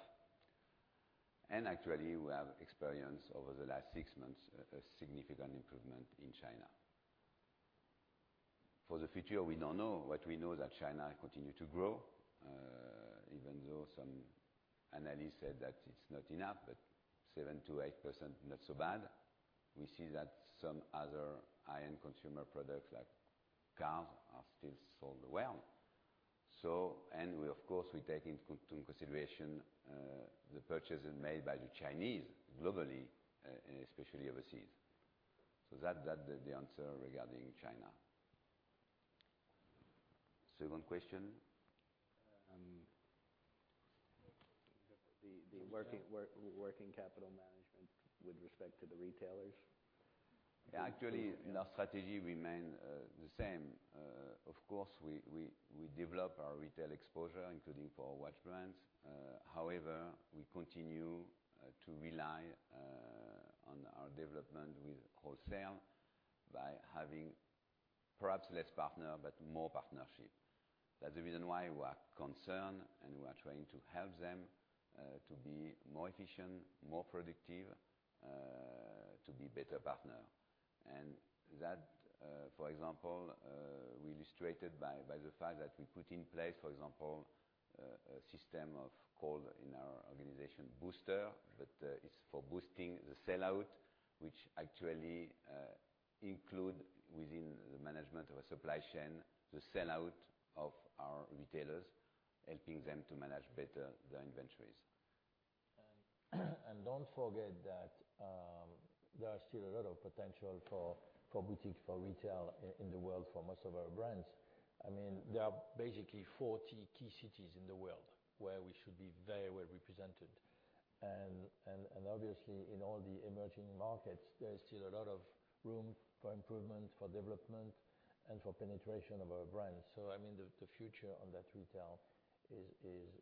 Actually, we have experienced over the last six months a significant improvement in China. For the future, we don't know. What we know is that China continue to grow, even though some analysts said that it's not enough, but 7%-8% not so bad. We see that some other high-end consumer products like cars are still sold well. We of course, we take into consideration the purchases made by the Chinese globally and especially overseas. That the answer regarding China. Second question? The working capital management with respect to the retailers. Actually, our strategy remain the same. Of course, we develop our retail exposure, including for watch brands. However, we continue to rely on our development with wholesale by having perhaps less partner, but more partnership. That's the reason why we are concerned, and we are trying to help them to be more efficient, more productive, to be better partner. That, for example, we illustrated by the fact that we put in place, for example, a system of call in our organization Booster, but it's for boosting the sellout, which actually include within the management of a supply chain, the sellout of our retailers, helping them to manage better their inventories. Don't forget that there are still a lot of potential for boutique, for retail in the world for most of our brands. I mean, there are basically 40 key cities in the world where we should be very well represented. Obviously, in all the emerging markets, there is still a lot of room for improvement, for development, and for penetration of our brands. I mean, the future on that retail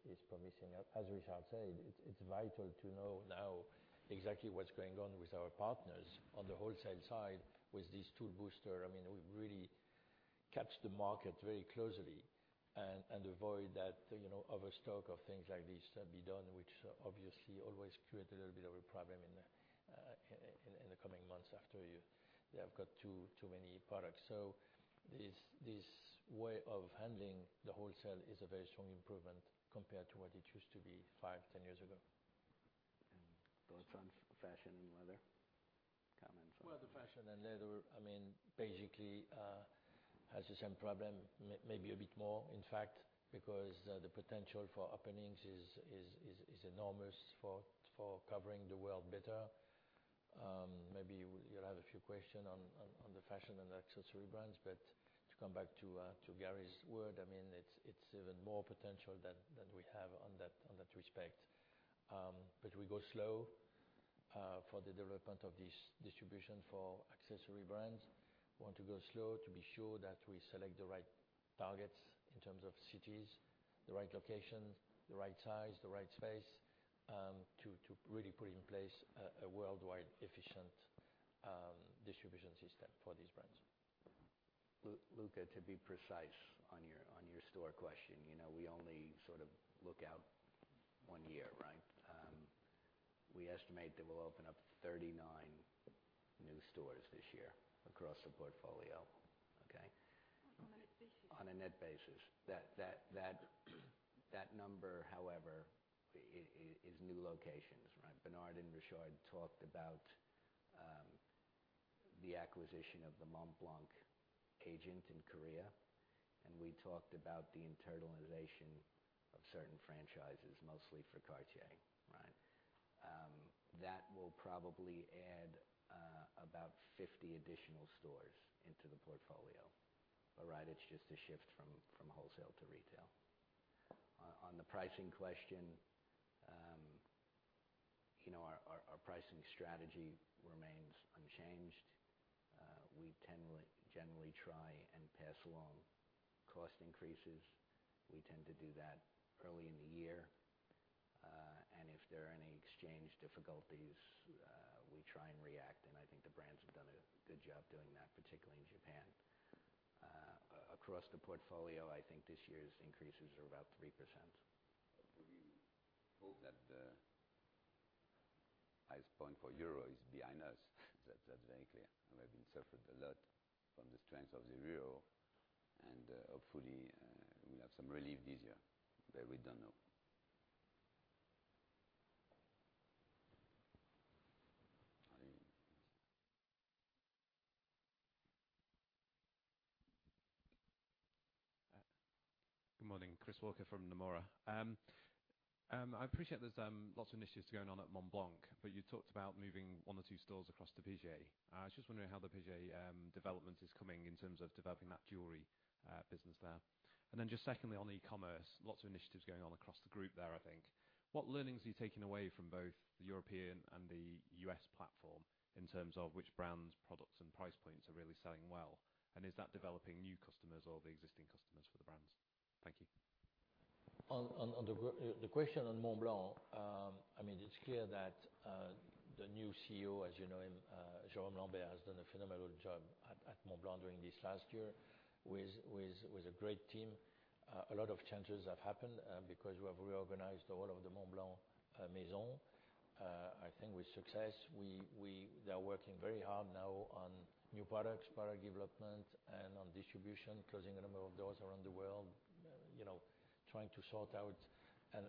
is promising. As Richard said, it's vital to know now exactly what's going on with our partners on the wholesale side with this tool, Booster. I mean, we really catch the market very closely and avoid that, you know, overstock of things like this be done, which obviously always create a little bit of a problem in the coming months after you have got too many products. This way of handling the wholesale is a very strong improvement compared to what it used to be five, 10 years ago. Thoughts on fashion and leather? Well, the fashion and leather, I mean, basically, has the same problem. Maybe a bit more, in fact, because, the potential for openings is enormous for covering the world better. Maybe you'll have a few question on the fashion and accessory brands. To come back to Gary's word, I mean, it's even more potential than we have on that respect. We go slow, for the development of this distribution for accessory brands. We want to go slow to be sure that we select the right targets in terms of cities, the right location, the right size, the right space, to really put in place a worldwide efficient distribution system for these brands. Luca, to be precise on your store question, you know, we only sort of look out one year, right? We estimate that we'll open up 39 new stores this year across the portfolio. Okay? On a net basis. On a net basis. That number, however, is new locations, right? Bernard and Richard talked about the acquisition of the Montblanc agent in Korea, and we talked about the internalization of certain franchises, mostly for Cartier, right? That will probably add about 50 additional stores into the portfolio. Right, it's just a shift from wholesale to retail. On the pricing question, you know, our pricing strategy remains unchanged. We generally try and pass along cost increases. We tend to do that early in the year. And if there are any exchange difficulties, we try and react, and I think the brands have done a good job doing that, particularly in Japan. Across the portfolio, I think this year's increases are about 3%. We hope that the highest point for euro is behind us. That's very clear. We have been suffered a lot from the strength of the euro, and hopefully, we'll have some relief this year, but we don't know. I- Good morning. Chris Walker from Nomura. I appreciate there's lots of initiatives going on at Montblanc, but you talked about moving one or two stores across to Piaget. I was just wondering how the Piaget development is coming in terms of developing that jewelry business there. Secondly, on e-commerce, lots of initiatives going on across the group there, I think. What learnings are you taking away from both the European and the U.S. platform in terms of which brands, products, and price points are really selling well? Is that developing new customers or the existing customers for the brands? Thank you. On the question on Montblanc, I mean, it's clear that the new CEO, as you know him, Jérôme Lambert, has done a phenomenal job at Montblanc during this last year with a great team. A lot of changes have happened because we have reorganized all of the Montblanc maison, I think with success. They are working very hard now on new products, product development, and on distribution, closing a number of doors around the world, you know, trying to sort out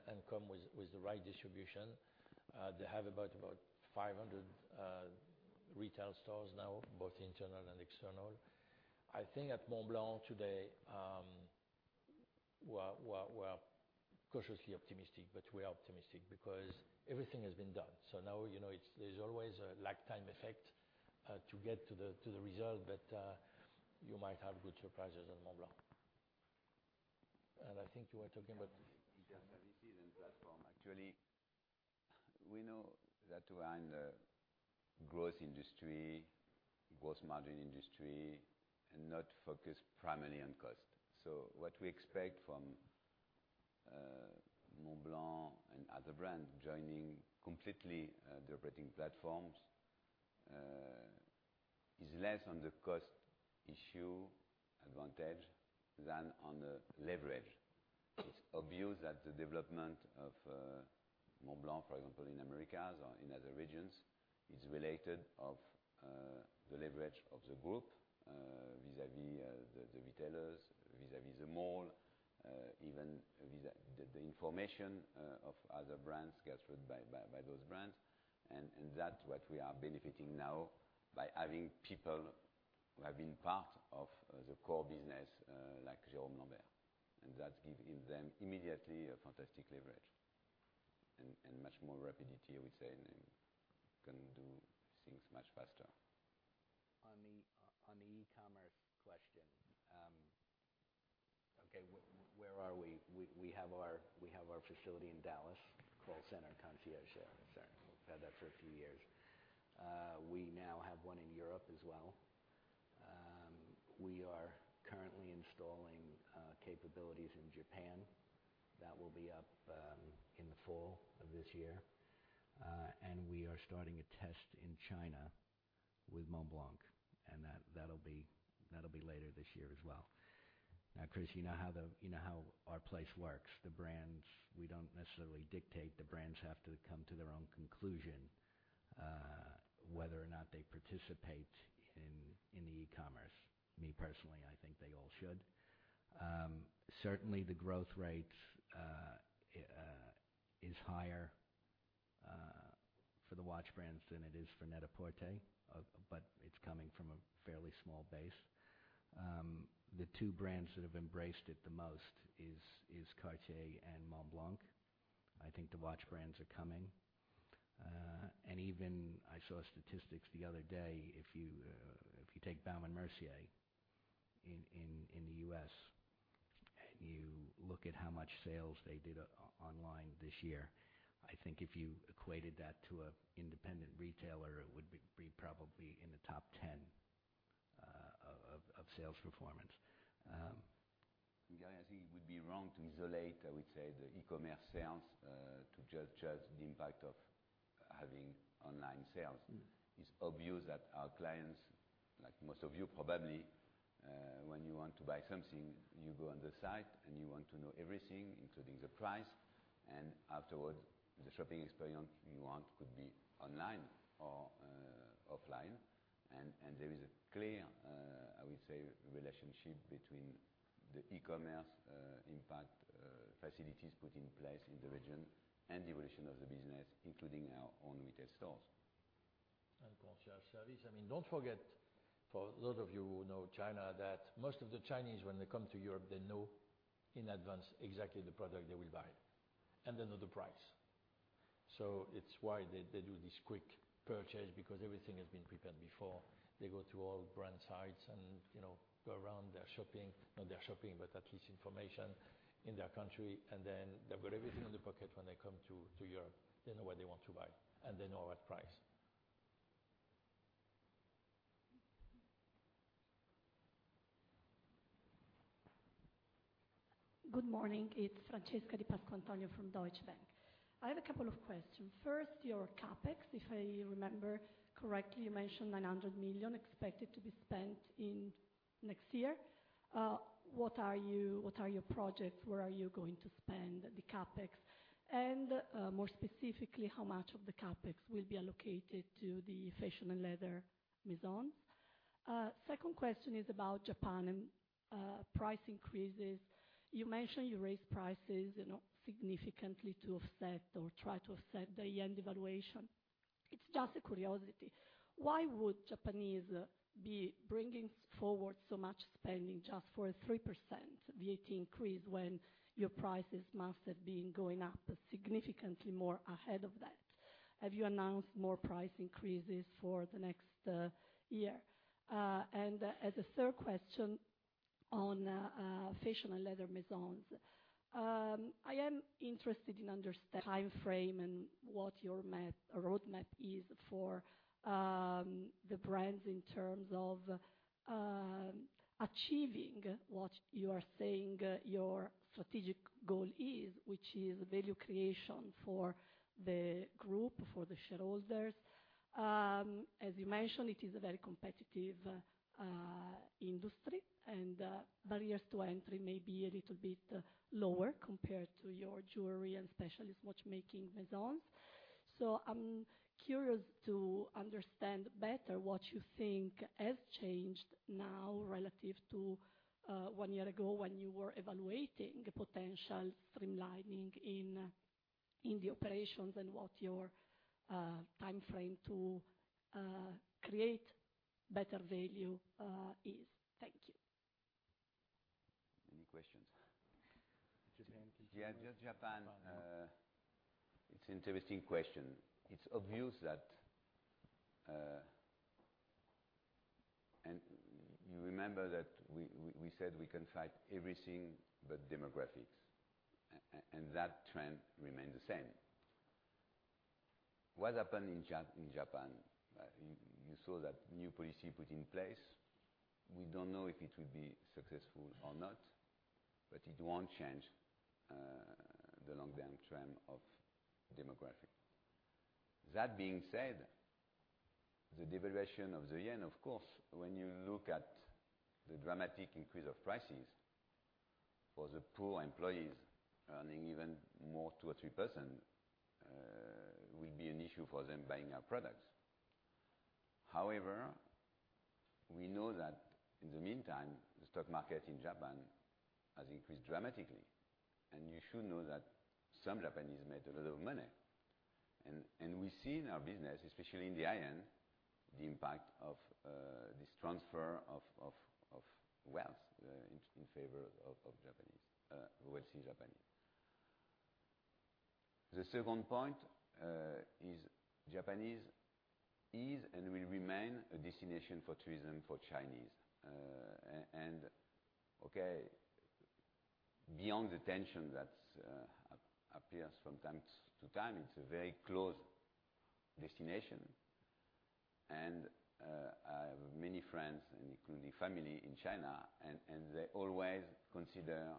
and come with the right distribution. They have about 500 retail stores now, both internal and external. I think at Montblanc today, we're cautiously optimistic, but we are optimistic because everything has been done. Now, you know, there's always a lag time effect to get to the result, you might have good surprises on Montblanc. I think you were talking about. In terms of shared platform, actually, we know that we are in a growth industry, growth margin industry, and not focused primarily on cost. What we expect from Montblanc and other brands joining completely the operating platforms is less on the cost issue advantage than on the leverage. It's obvious that the development of Montblanc, for example, in Americas or in other regions, is related of the leverage of the group vis-à-vis the retailers, vis-à-vis the mall, even vis-à-vis the information of other brands get through by those brands. That's what we are benefiting now by having people who have been part of the core business like Jérôme Lambert. That's giving them immediately a fantastic leverage and much more rapidity, I would say, and can do things much faster. On the ecommerce question, okay, where are we? We have our facility in Dallas, call center, concierge center. We've had that for a few years. We now have one in Europe as well. We are currently installing capabilities in Japan. That will be up in the fall of this year. We are starting a test in China with Montblanc, and that'll be later this year as well. Chris, you know how our place works. The brands, we don't necessarily dictate. The brands have to come to their own conclusion, whether or not they participate in the ecommerce. Me personally, I think they all should. Certainly, the growth rate is higher for the watch brands than it is for Net-a-Porter, it's coming from a fairly small base. The two brands that have embraced it the most is Cartier and Montblanc. I think the watch brands are coming. Even I saw statistics the other day, if you take Baume & Mercier in the U.S., and you look at how much sales they did online this year, I think if you equated that to a independent retailer, it would probably be in the top 10 of sales performance. [Guillaume], I think it would be wrong to isolate, I would say, the ecommerce sales, to judge the impact of having online sales. It's obvious that our clients, like most of you probably, when you want to buy something, you go on the site, and you want to know everything, including the price. Afterward, the shopping experience you want could be online or offline. There is a clear, I would say, relationship between the e-commerce impact facilities put in place in the region and the evolution of the business, including our own retail stores. Self-service. I mean, don't forget, for a lot of you who know China, that most of the Chinese when they come to Europe, they know in advance exactly the product they will buy, and they know the price. It's why they do this quick purchase because everything has been prepared before. They go to all brand sites and, you know, go around their shopping. Not their shopping, but at least information in their country. They've got everything in their pocket when they come to Europe. They know what they want to buy, and they know what price. Good morning. It's Francesca Di Pasquantonio from Deutsche Bank. I have a couple of questions. First, your CapEx. If I remember correctly, you mentioned 900 million expected to be spent in next year. What are your projects? Where are you going to spend the CapEx? More specifically, how much of the CapEx will be allocated to the fashion and leather maison? Second question is about Japan and price increases. You mentioned you raised prices, you know, significantly to offset or try to offset the yen devaluation. It's just a curiosity, why would Japanese be bringing forward so much spending just for a 3% VAT increase when your prices must have been going up significantly more ahead of that? Have you announced more price increases for the next year? As a third question on fashion and leather Maisons, I am interested in understanding timeframe and what your roadmap is for the brands in terms of achieving what you are saying your strategic goal is, which is value creation for the group, for the shareholders. As you mentioned, it is a very competitive industry and barriers to entry may be a little bit lower compared to your jewelry and specialist watchmaking Maisons. I'm curious to understand better what you think has changed now relative to one year ago when you were evaluating potential streamlining in the operations and what your timeframe to create better value is. Thank you. Many questions. Japan- Yeah, just Japan. It's interesting question. It's obvious that you remember that we said we can fight everything but demographics, and that trend remains the same. What happened in Japan, you saw that new policy put in place. We don't know if it will be successful or not, but it won't change the long-term trend of demographic. That being said, the devaluation of the yen, of course, when you look at the dramatic increase of prices for the poor employees earning even more 2% or 3%, will be an issue for them buying our products. However, we know that in the meantime, the stock market in Japan has increased dramatically, and you should know that some Japanese made a lot of money. We see in our business, especially in the high-end, the impact of this transfer of wealth in favor of Japanese, wealthy Japanese. The second point is Japanese is and will remain a destination for tourism for Chinese. Beyond the tension that appears from time to time, it's a very close destination. I have many friends, including family in China, they always consider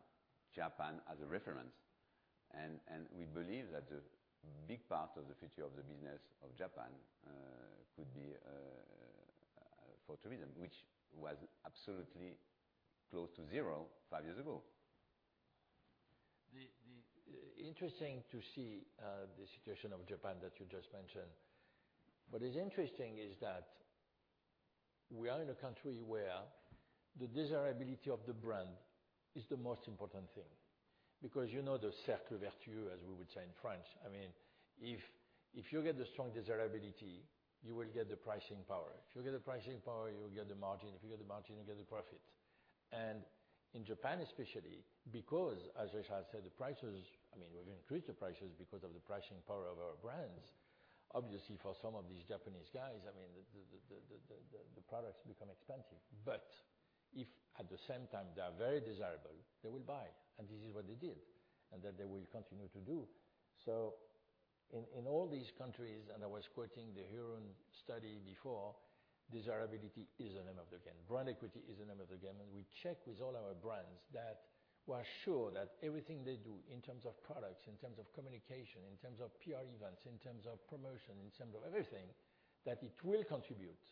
Japan as a reference. We believe that a big part of the future of the business of Japan could be for tourism, which was absolutely close to zero, five years ago. The interesting to see, the situation of Japan that you just mentioned. What is interesting is that we are in a country where the desirability of the brand is the most important thing because you know the cercle vertueux, as we would say in French. I mean, if you get the strong desirability, you will get the pricing power. If you get the pricing power, you will get the margin. If you get the margin, you get the profit. In Japan especially, because as Richard said, the prices, I mean, we're gonna increase the prices because of the pricing power of our brands. Obviously, for some of these Japanese guys, I mean, the products become expensive. If at the same time they are very desirable, they will buy, and this is what they did, and that they will continue to do. In all these countries, I was quoting the Hurun study before, desirability is the name of the game. Brand equity is the name of the game. We check with all our brands that we are sure that everything they do in terms of products, in terms of communication, in terms of PR events, in terms of promotion, in terms of everything, that it will contribute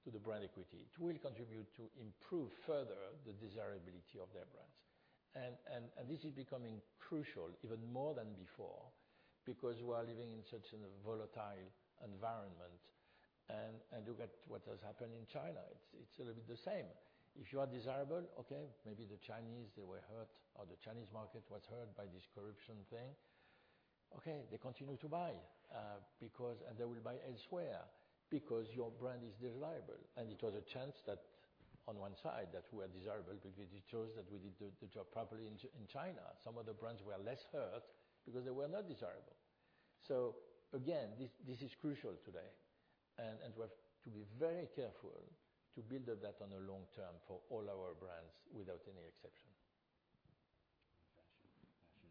to the brand equity. It will contribute to improve further the desirability of their brands. This is becoming crucial even more than before because we are living in such a volatile environment. Look at what has happened in China. It's a little bit the same. If you are desirable, maybe the Chinese, they were hurt or the Chinese market was hurt by this corruption thing. They continue to buy because they will buy elsewhere because your brand is desirable. It was a chance that on one side that we are desirable because it shows that we did the job properly in China. Some other brands were less hurt because they were not desirable. Again, this is crucial today and we have to be very careful to build that on a long term for all our brands without any exception. Fashion. Fashion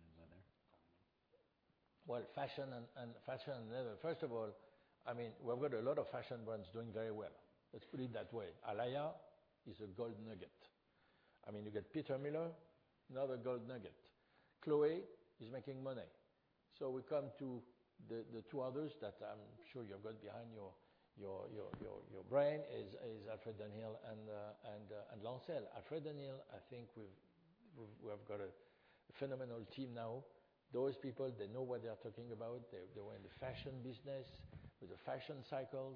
and leather probably. Well, fashion and fashion and leather. First of all, I mean, we've got a lot of fashion brands doing very well. Let's put it that way. Alaïa is a gold nugget. I mean, you get Peter Millar, another gold nugget. Chloé is making money. We come to the two others that I'm sure you've got behind your brain is Alfred Dunhill and Lancel. Alfred Dunhill, I think we've, we have got a phenomenal team now. Those people, they know what they are talking about. They were in the fashion business with the fashion cycles,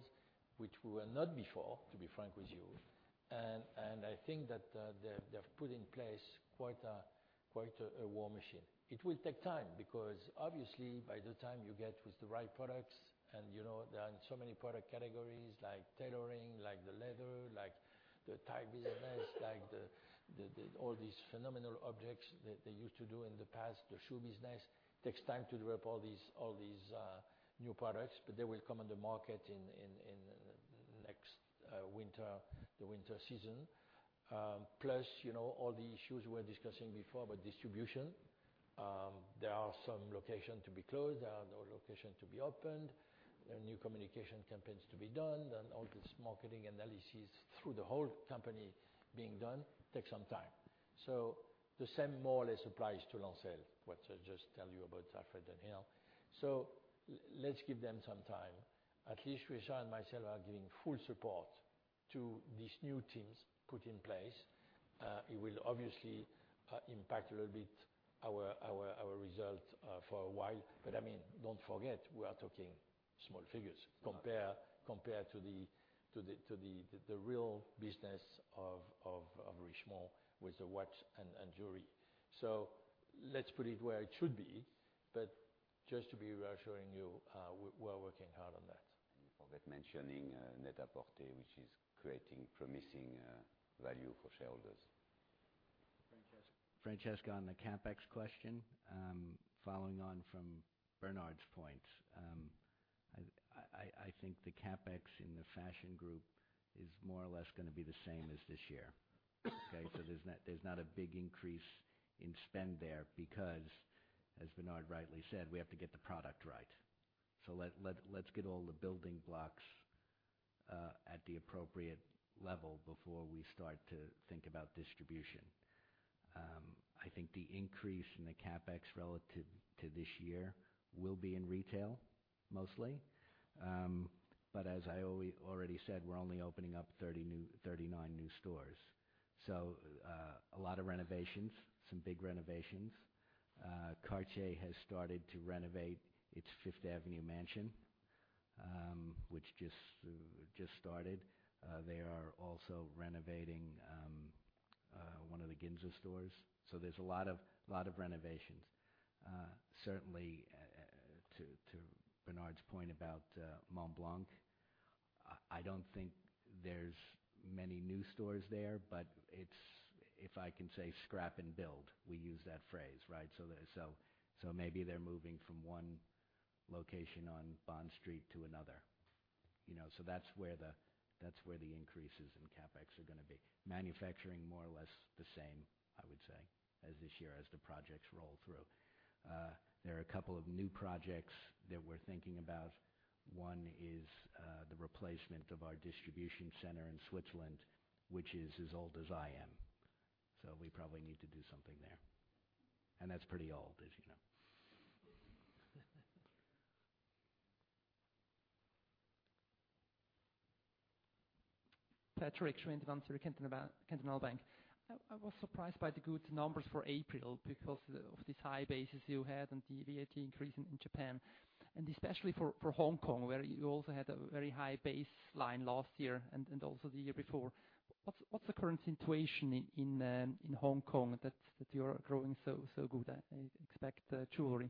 which we were not before, to be frank with you. I think that they've put in place quite a war machine. It will take time because obviously by the time you get with the right products and, you know, there are so many product categories like tailoring, like the leather, like the tie business, like all these phenomenal objects that they used to do in the past, the shoe business, takes time to develop all these, all these new products. They will come on the market in next winter, the winter season. Plus, you know, all the issues we were discussing before about distribution. There are some location to be closed. There are no location to be opened. There are new communication campaigns to be done and all this marketing analysis through the whole company being done takes some time. The same more or less applies to Lancel, what I just tell you about Alfred Dunhill. Let's give them some time. At least Richard and myself are giving full support to these new teams put in place. It will obviously impact a little bit our result for a while. I mean, don't forget, we are talking small figures compared to the real business of Richemont with the watch and jewelry. Let's put it where it should be. Just to be reassuring you, we're working hard on that. You forget mentioning Net-a-Porter, which is creating promising value for shareholders. Francesca. Francesca on the CapEx question, following on from Bernard's point. I think the CapEx in the fashion group is more or less gonna be the same as this year. Okay. There's not a big increase in spend there because, as Bernard rightly said, we have to get the product right. Let's get all the building blocks at the appropriate level before we start to think about distribution. I think the increase in the CapEx relative to this year will be in retail mostly. As I already said, we're only opening up 39 new stores. A lot of renovations, some big renovations. Cartier has started to renovate its Fifth Avenue mansion, which just started. They are also renovating one of the Ginza stores. There's a lot of renovations. Certainly, to Bernard's point about Montblanc, I don't think there's many new stores there, but it's if I can say scrap and build, we use that phrase, right? Maybe they're moving from one location on Bond Street to another, you know. That's where the increases in CapEx are gonna be. Manufacturing, more or less the same, I would say, as this year as the projects roll through. There are a couple of new projects that we're thinking about. One is the replacement of our distribution center in Switzerland, which is as old as I am. We probably need to do something there. That's pretty old, as you know. Patrik Schwendimann, Zürcher Kantonalbank. I was surprised by the good numbers for April because of this high basis you had and the VAT increase in Japan, and especially for Hong Kong, where you also had a very high baseline last year and also the year before. What's the current situation in Hong Kong that you are growing so good at, I expect, jewelry?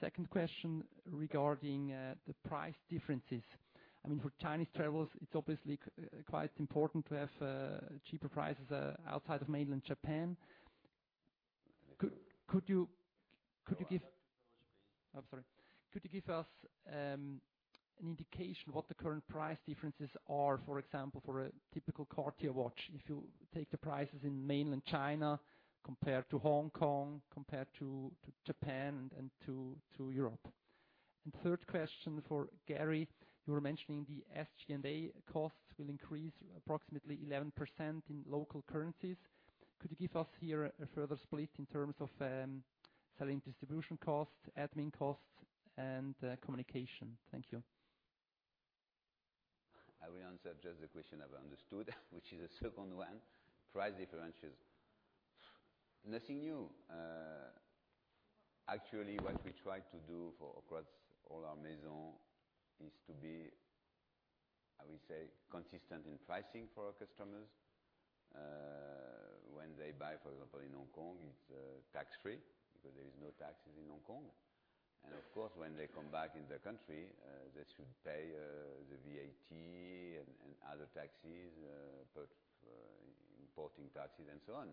Second question regarding the price differences. I mean, for Chinese travelers, it's obviously quite important to have cheaper prices outside of mainland China. Could you give- Please. I'm sorry. Could you give us an indication what the current price differences are, for example, for a typical Cartier watch, if you take the prices in mainland China compared to Hong Kong, compared to Japan and to Europe? Third question for Gary, you were mentioning the SG&A costs will increase approximately 11% in local currencies. Could you give us here a further split in terms of selling distribution costs, admin costs, and communication? Thank you. I will answer just the question I've understood, which is the second one, price differences. Nothing new. Actually, what we try to do for across all our Maison is to be consistent in pricing for our customers. When they buy, for example, in Hong Kong, it's tax-free because there is no taxes in Hong Kong. Of course, when they come back in their country, they should pay the VAT and other taxes, importing taxes, and so on.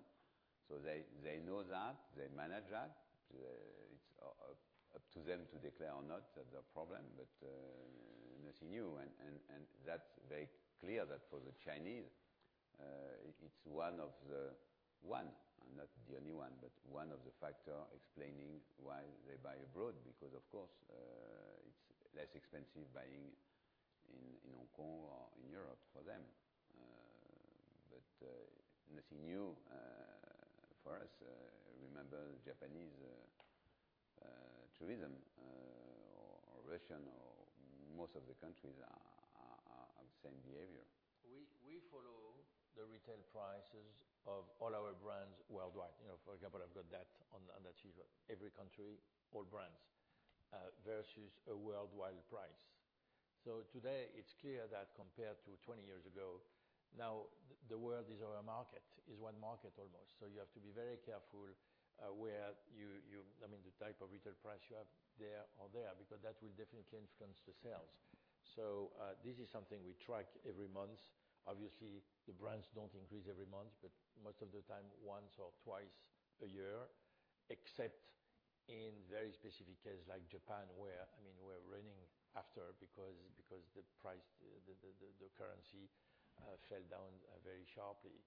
They, they know that, they manage that. It's up to them to declare or not. That's their problem, but nothing new. That's very clear that for the Chinese, it's one, and not the only one, but one of the factor explaining why they buy abroad because of course, it's less expensive buying in Hong Kong or in Europe for them. Nothing new for us. Remember Japanese tourism or Russian or most of the countries are of same behavior. We follow the retail prices of all our brands worldwide. You know, for example, I've got that on the sheet. Every country, all brands, versus a worldwide price. Today it's clear that compared to 20 years ago, now the world is our market, is one market almost. You have to be very careful where you, I mean, the type of retail price you have there or there, because that will definitely influence the sales. This is something we track every month. Obviously, the brands don't increase every month, but most of the time once or twice a year, except in very specific cases like Japan, where, I mean, we're running after because the price, the currency fell down very sharply.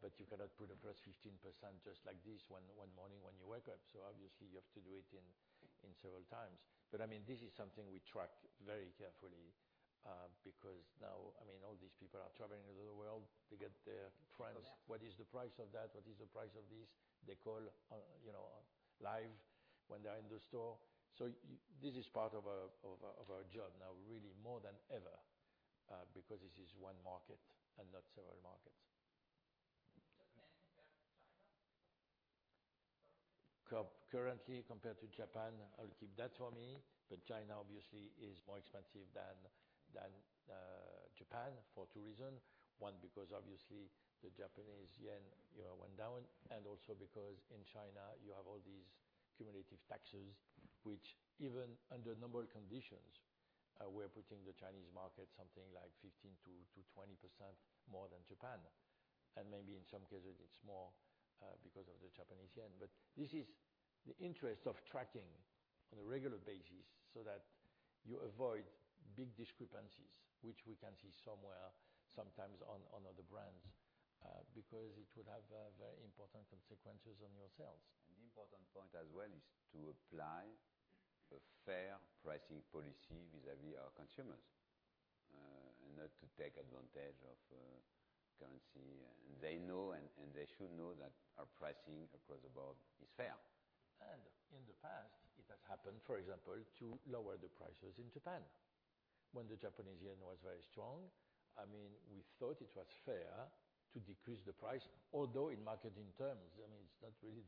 But you cannot put a +15% just like this one morning when you wake up. Obviously you have to do it in several times. I mean, this is something we track very carefully, because now, I mean, all these people are traveling around the world to get their price. What is the price of that? What is the price of this? They call on, you know, live when they're in the store. This is part of our job now really more than ever, because this is one market and not several markets. Japan compared to China? Currently compared to Japan, I'll keep that for me. China obviously is more expensive than Japan for two reason. One, because obviously the Japanese yen, you know, went down, and also because in China you have all these cumulative taxes, which even under normal conditions, we're putting the Chinese market something like 15%-20% more than Japan. Maybe in some cases it's more because of the Japanese yen. This is the interest of tracking on a regular basis so that you avoid big discrepancies, which we can see somewhere sometimes on other brands, because it would have very important consequences on your sales. The important point as well is to apply a fair pricing policy vis-à-vis our consumers, and not to take advantage of currency. They know, and they should know that our pricing across the board is fair. In the past it has happened, for example, to lower the prices in Japan when the Japanese yen was very strong. I mean, we thought it was fair to decrease the price, although in marketing terms, I mean, it's not really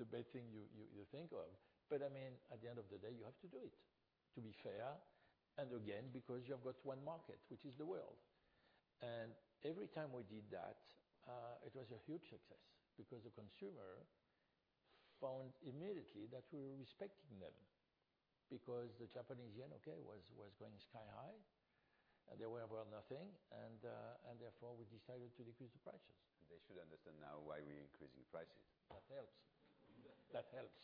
the best thing you think of. I mean, at the end of the day, you have to do it to be fair, and again, because you have got one market, which is the world. Every time we did that, it was a huge success because the consumer found immediately that we were respecting them because the Japanese yen, okay, was going sky high and they were worth nothing. Therefore, we decided to decrease the prices. They should understand now why we increasing prices. That helps. That helps.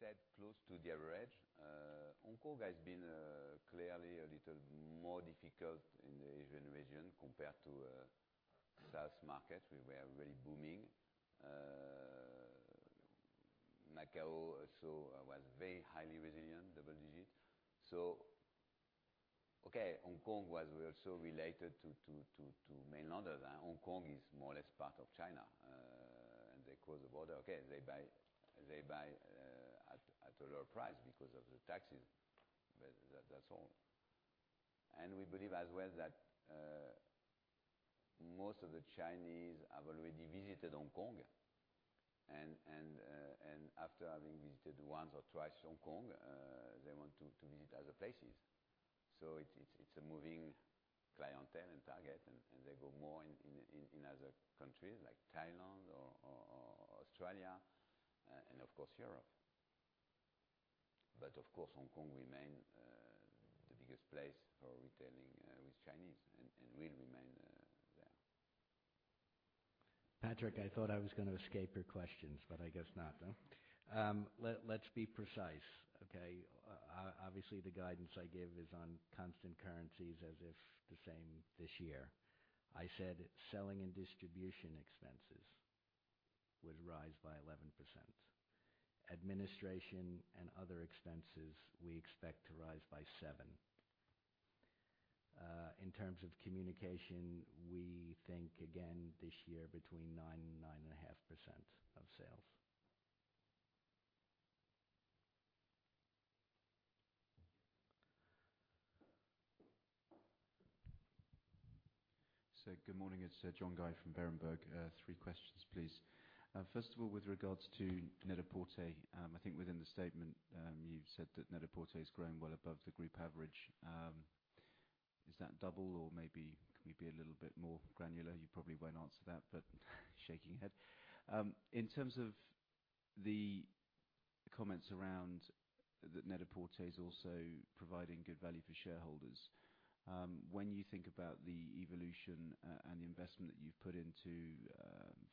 The question on Hong Kong. The question on Hong Kong and getting in Hong Kong. We said close to the average. Hong Kong has been clearly a little more difficult in the Asian region compared to South market where we are very booming. Macao also was very highly resilient, double-digit. Okay, Hong Kong was also related to mainlanders, and Hong Kong is more or less part of China. They close the border, okay, they buy at a lower price because of the taxes. That's all. We believe as well that most of the Chinese have already visited Hong Kong and after having visited once or twice Hong Kong, they want to visit other places. It's a moving clientele and target and they go more in other countries like Thailand or Australia, and of course Europe. Of course, Hong Kong remain the biggest place for retailing with Chinese and will remain there. Patrik, I thought I was gonna escape your questions, but I guess not, huh? Let's be precise, okay? Obviously the guidance I give is on constant currencies as if the same this year. I said selling and distribution expenses would rise by 11%. Administration and other expenses we expect to rise by 7%. In terms of communication, we think again this year between 9% and 9.5% of sales. Good morning. It's John Guy from Berenberg. Three questions, please. First of all, with regards to Net-a-Porter, I think within the statement, you've said that Net-a-Porter is growing well above the group average. Is that double or maybe can we be a little bit more granular? You probably won't answer that, shaking head. In terms of the comments around that Net-a-Porter is also providing good value for shareholders, when you think about the evolution and the investment that you've put into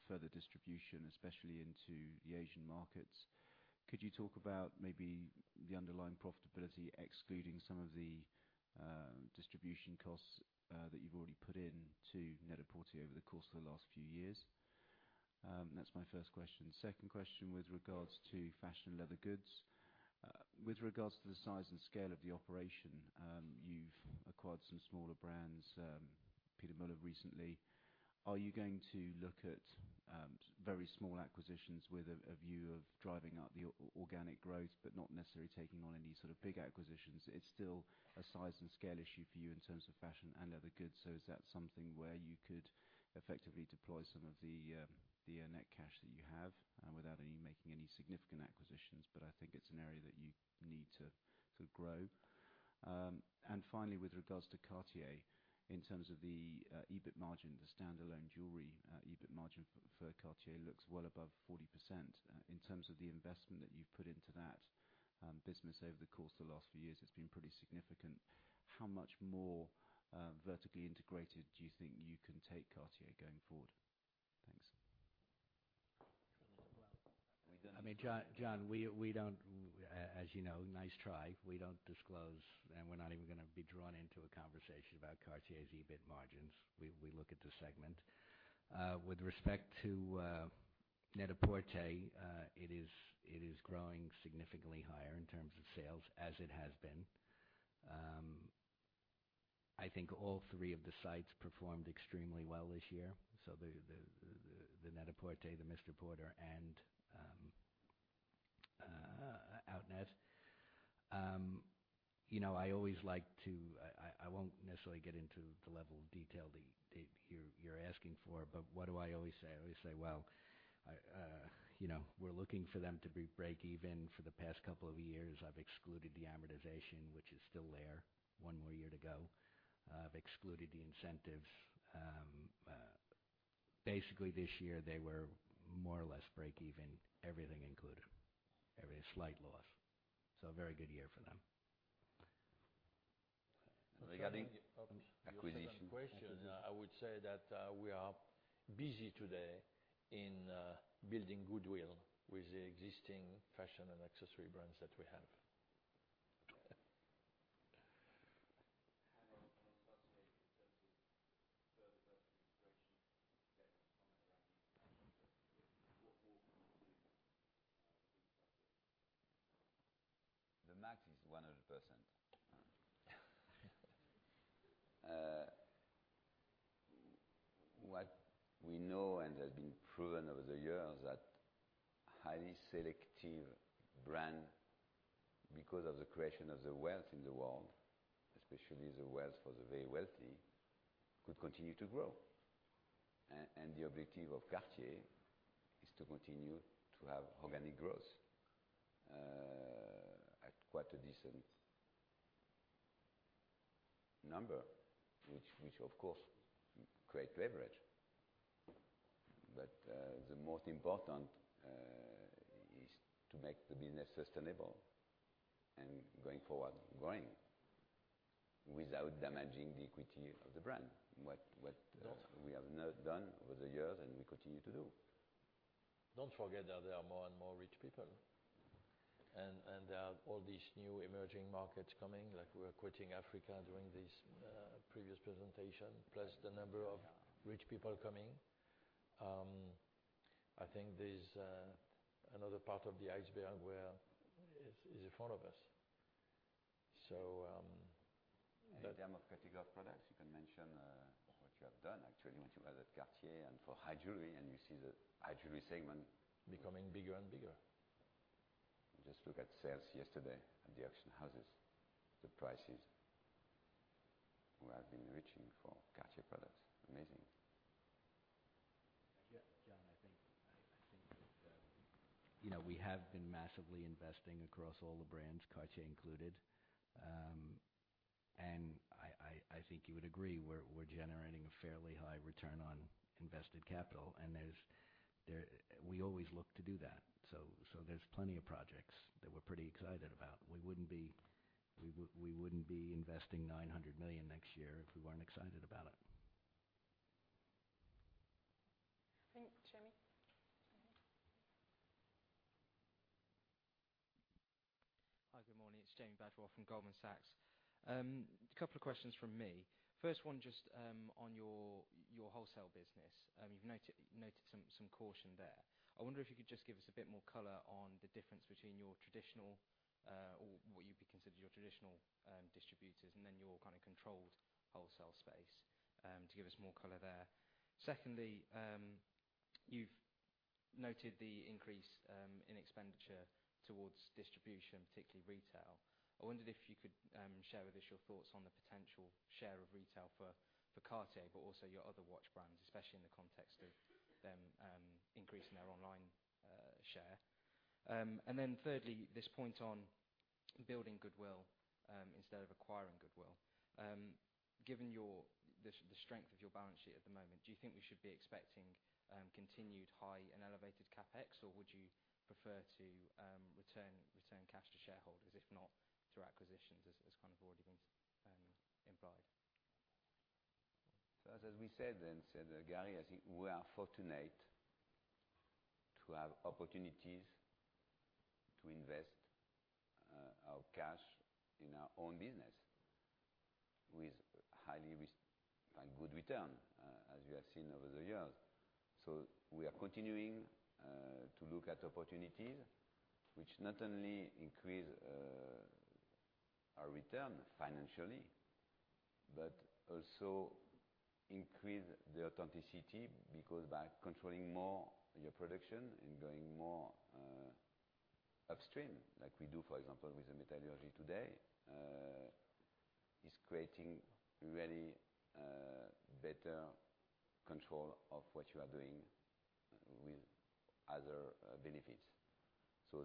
further distribution, especially into the Asian markets, could you talk about maybe the underlying profitability excluding some of the distribution costs that you've already put into Net-a-Porter over the course of the last few years? That's my first question. Second question, with regards to fashion and leather goods, with regards to the size and scale of the operation, you've acquired some smaller brands, Peter Millar recently. Are you going to look at very small acquisitions with a view of driving up the organic growth but not necessarily taking on any sort of big acquisitions? It's still a size and scale issue for you in terms of fashion and leather goods, is that something where you could effectively deploy some of the net cash that you have without any making any significant acquisitions? I think it's an area that you need to grow. Finally, with regards to Cartier, in terms of the EBIT margin, the standalone jewelry, EBIT margin for Cartier looks well above 40%. In terms of the investment that you've put into that business over the course of the last few years, it's been pretty significant. How much more vertically integrated do you think you can take Cartier going forward? Thanks. I mean, John, we don't, as you know, nice try. We don't disclose, we're not even gonna be drawn into a conversation about Cartier's EBIT margins. We look at the segment. With respect to Net-a-Porter, it is growing significantly higher in terms of sales as it has been. I think all three of the sites performed extremely well this year, so the Net-a-Porter, the MR PORTER, and Outnet. You know, I always like to I won't necessarily get into the level of detail that you're asking for, what do I always say? I always say, well, I, you know, we're looking for them to be breakeven. For the past couple of years, I've excluded the amortization, which is still there, one more year to go. I've excluded the incentives. Basically this year they were more or less breakeven, everything included. Even a slight loss. A very good year for them. Regarding acquisition. Your second question, I would say that, we are busy today in building goodwill with the existing fashion and accessory brands that we have. Cartier in terms of further vertical integration, can you comment around what more can you do with Cartier? The max is 100%. What we know and has been proven over the years that highly selective brand, because of the creation of the wealth in the world, especially the wealth for the very wealthy, could continue to grow. The objective of Cartier is to continue to have organic growth at quite a decent number, which of course create leverage. The most important is to make the business sustainable and going forward, growing without damaging the equity of the brand. What we have not done over the years, and we continue to do. Don't forget that there are more and more rich people. There are all these new emerging markets coming, like we were quoting Africa during this previous presentation, plus the number of rich people coming. I think there's another part of the iceberg where is in front of us. In terms of category of products, you can mention what you have done actually when you added Cartier and for high jewelry, and you see the high jewelry segment. Becoming bigger and bigger. Just look at sales yesterday at the auction houses, the prices where have been reaching for Cartier products. Amazing. John, I think, I think that, you know, we have been massively investing across all the brands, Cartier included. I think you would agree we're generating a fairly high return on invested capital, and there's we always look to do that. There's plenty of projects that we're pretty excited about. We wouldn't be investing 900 million next year if we weren't excited about it. I think Jamie. Hi, good morning. It's [Jamie Badwal] from Goldman Sachs. A couple of questions from me. First one, just on your wholesale business. You've noted some caution there. I wonder if you could just give us a bit more color on the difference between your traditional, or what you'd be considered your traditional, distributors and then your kind of controlled wholesale space, to give us more color there. Secondly, you've noted the increase in expenditure towards distribution, particularly retail. I wondered if you could share with us your thoughts on the potential share of retail for Cartier, but also your other watch brands, especially in the context of them increasing their online share. Then thirdly, this point on building goodwill, instead of acquiring goodwill. Given your the strength of your balance sheet at the moment, do you think we should be expecting continued high and elevated CapEx? Or would you prefer to return cash to shareholders, if not through acquisitions as kind of already been implied? As we said, Gary, I think we are fortunate to have opportunities to invest our cash in our own business with highly and good return, as you have seen over the years. We are continuing to look at opportunities which not only increase our return financially, but also increase the authenticity, because by controlling more your production and going more upstream, like we do, for example, with the metallurgy today, is creating really better control of what you are doing with other benefits.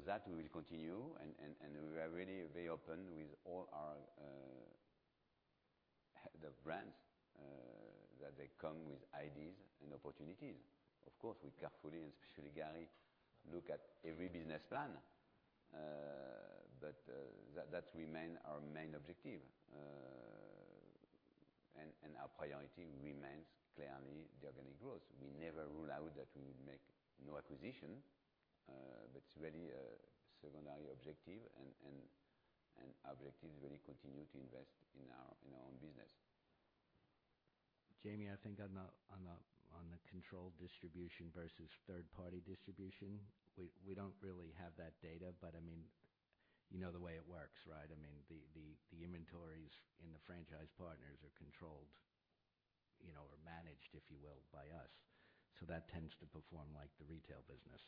That we will continue and we are really very open with all our the brands that they come with ideas and opportunities. Of course, we carefully, and especially Gary, look at every business plan. That remain our main objective. Our priority remains clearly the organic growth. We never rule out that we would make no acquisition, but it's really a secondary objective and our objective really continue to invest in our own business. Jamie, I think on the controlled distribution versus third-party distribution, we don't really have that data, but I mean, you know the way it works, right? I mean, the inventories in the franchise partners are controlled, you know, or managed, if you will, by us. That tends to perform like the retail business,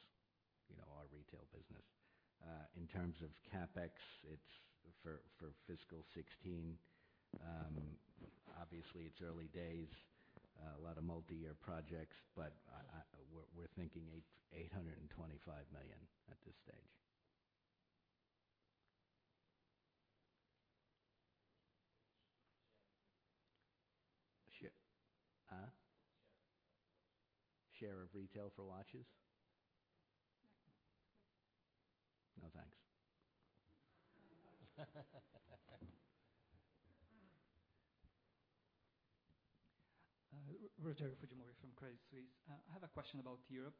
you know, our retail business. In terms of CapEx, it's for fiscal 2016, obviously it's early days, a lot of multi-year projects, but we're thinking 825 million at this stage. Share of retail for watches. Share Huh? Share of retail for watches. Share of retail for watches? Yeah. No, thanks. Rogerio Fujimori from Credit Suisse. I have a question about Europe.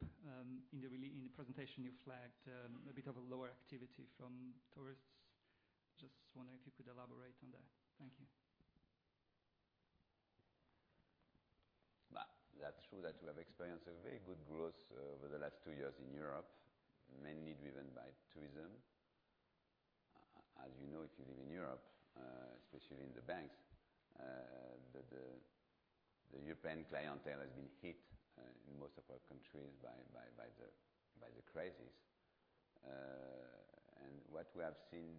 In the presentation you flagged a bit of a lower activity from tourists. Just wondering if you could elaborate on that. Thank you. Well, that's true that we have experienced a very good growth over the last two years in Europe, mainly driven by tourism. As you know, if you live in Europe, especially in the banks, the European clientele has been hit in most of our countries by the crisis. What we have seen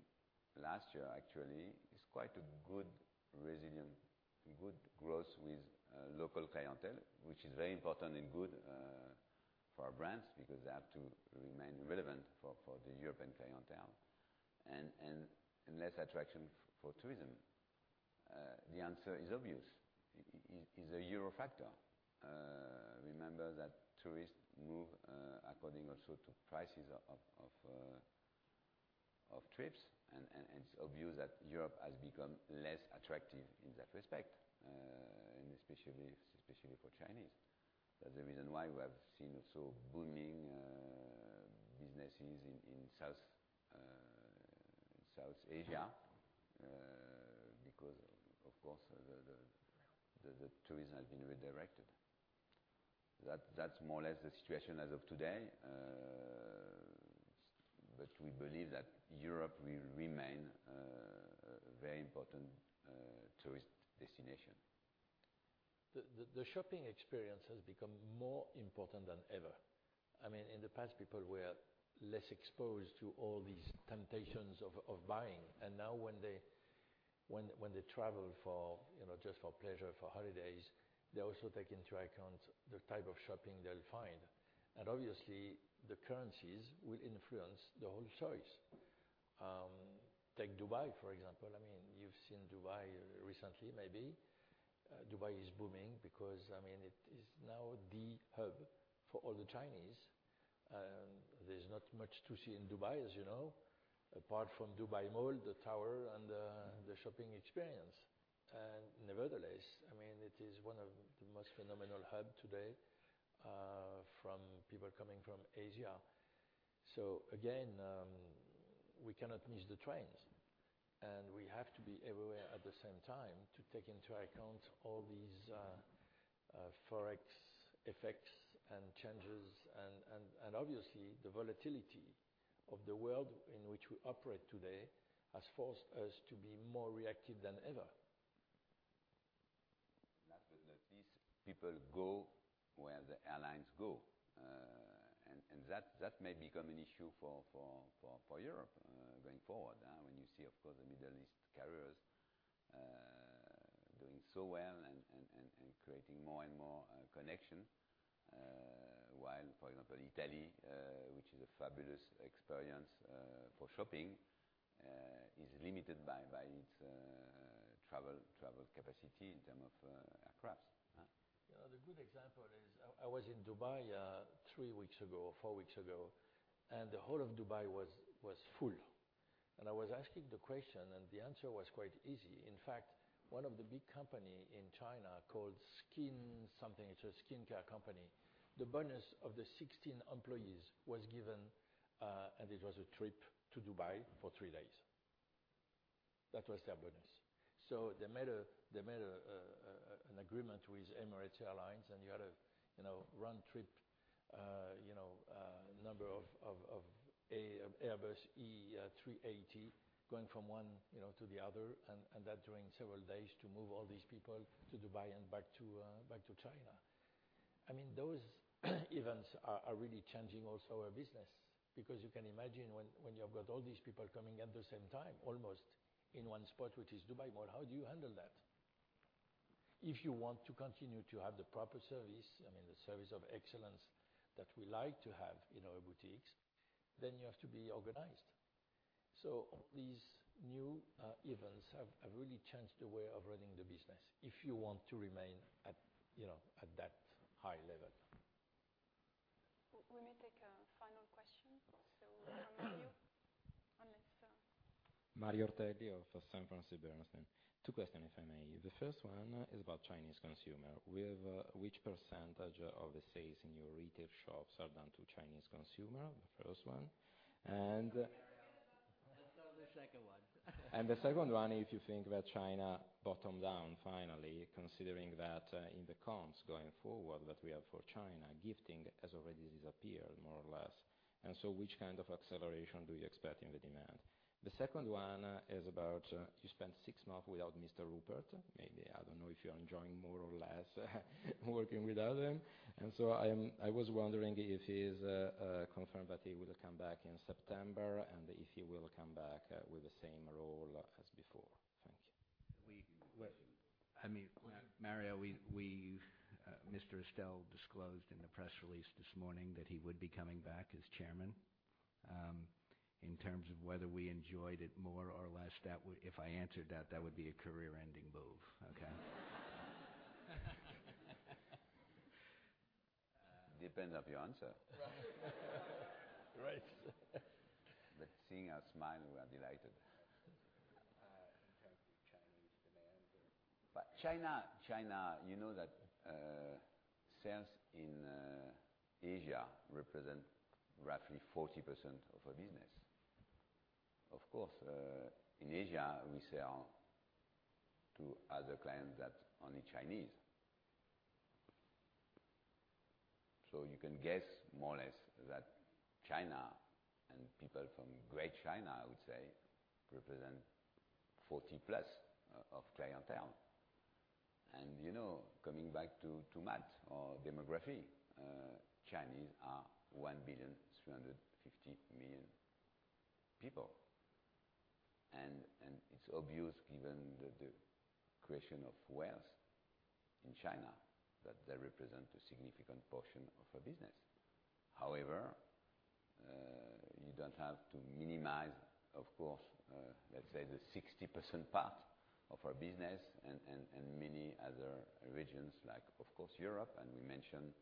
last year actually is quite a good resilient, good growth with local clientele, which is very important and good for our brands because they have to remain relevant for the European clientele and less attraction for tourism. The answer is obvious. It is a Euro factor. Remember that tourists move according also to prices of trips and it's obvious that Europe has become less attractive in that respect, and especially for Chinese. That's the reason why we have seen also booming businesses in South Asia, because of course the tourism has been redirected. That's more or less the situation as of today. We believe that Europe will remain a very important tourist destination. The shopping experience has become more important than ever. I mean, in the past, people were less exposed to all these temptations of buying. Now when they travel for, you know, just for pleasure, for holidays, they also take into account the type of shopping they'll find. Obviously, the currencies will influence the whole choice. Take Dubai for example. I mean, you've seen Dubai recently, maybe. Dubai is booming because, I mean, it is now the hub for all the Chinese. There's not much to see in Dubai, as you know, apart from Dubai Mall, the tower and the shopping experience. Nevertheless, I mean, it is one of the most phenomenal hubs today from people coming from Asia. Again, we cannot miss the trains, and we have to be everywhere at the same time to take into account all these Forex effects and changes and obviously the volatility of the world in which we operate today has forced us to be more reactive than ever. That these people go where the airlines go. That may become an issue for Europe, going forward, when you see, of course, the Middle East carriers, doing so well and creating more and more connection. While, for example, Italy, which is a fabulous experience for shopping, is limited by its travel capacity in term of aircraft. You know, the good example is I was in Dubai three weeks ago or four weeks ago, and the whole of Dubai was full. I was asking the question, and the answer was quite easy. In fact, one of the big company in China called Kans, it's a skincare company, the bonus of the 16 employees was given, and it was a trip to Dubai for three days. That was their bonus. They made an agreement with Emirates Airlines, and you had a, you know, round trip, you know, number of Airbus A380 going from one, you know, to the other and that during several days to move all these people to Dubai and back to China. I mean, those events are really changing also our business because you can imagine when you have got all these people coming at the same time, almost in one spot, which is Dubai Mall, how do you handle that? If you want to continue to have the proper service, I mean, the service of excellence that we like to have in our boutiques, then you have to be organized. These new events have really changed the way of running the business if you want to remain at, you know, at that high level. We may take a final question. *inaudible* Mario Ortelli of Sanford C. Bernstein. Two questions, if I may. The first one is about Chinese consumer. We have, which percentage of the sales in your retail shops are done to Chinese consumer? The first one. Hurry up. The second one. The second one, if you think that China bottomed down finally, considering that in the comps going forward that we have for China, gifting has already disappeared more or less. Which kind of acceleration do you expect in the demand? The second one is about; you spent six months without Mr. Rupert. Maybe, I don't know if you're enjoying more or less working without him. I was wondering if he is confirmed that he would come back in September and if he will come back with the same role as before. Thank you. Well, I mean, Mario, we've Mr. Istel disclosed in the press release this morning that he would be coming back as chairman. In terms of whether we enjoyed it more or less, if I answered that would be a career-ending move. Okay? Depends on your answer. Right. Seeing us smile, we are delighted. in terms of Chinese demand. China, you know that sales in Asia represent roughly 40% of our business. Of course, in Asia, we sell to other clients that only Chinese. You can guess more or less that China and people from Greater China, I would say, represent 40+ of clientele. You know, coming back to math or demography, Chinese are 1.35 billion people. It's obvious given the creation of wealth in China that they represent a significant portion of our business. However, you don't have to minimize, of course, let's say the 60% parts of our business and many other regions like, of course, Europe, and we mentioned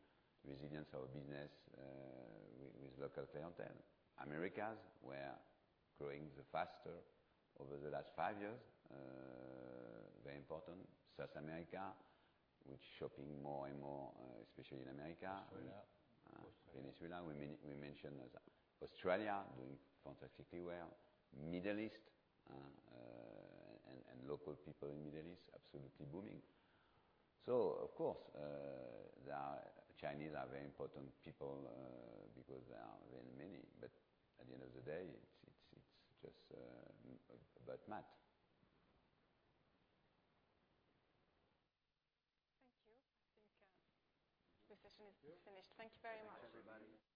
resilience of our business with local clientele. Americas, we're growing the faster over the last five years. Very important. South America, which shopping more and more, especially in America. Venezuela. Australia Venezuela. We mentioned Australia doing fantastically well. Middle East, and local people in Middle East, absolutely booming. Of course, Chinese are very important people because there are very many. At the end of the day, it's just about math. Thank you. I think, the session is finished. Thank you. Thank you very much. Thank you, everybody. Thank you for coming there.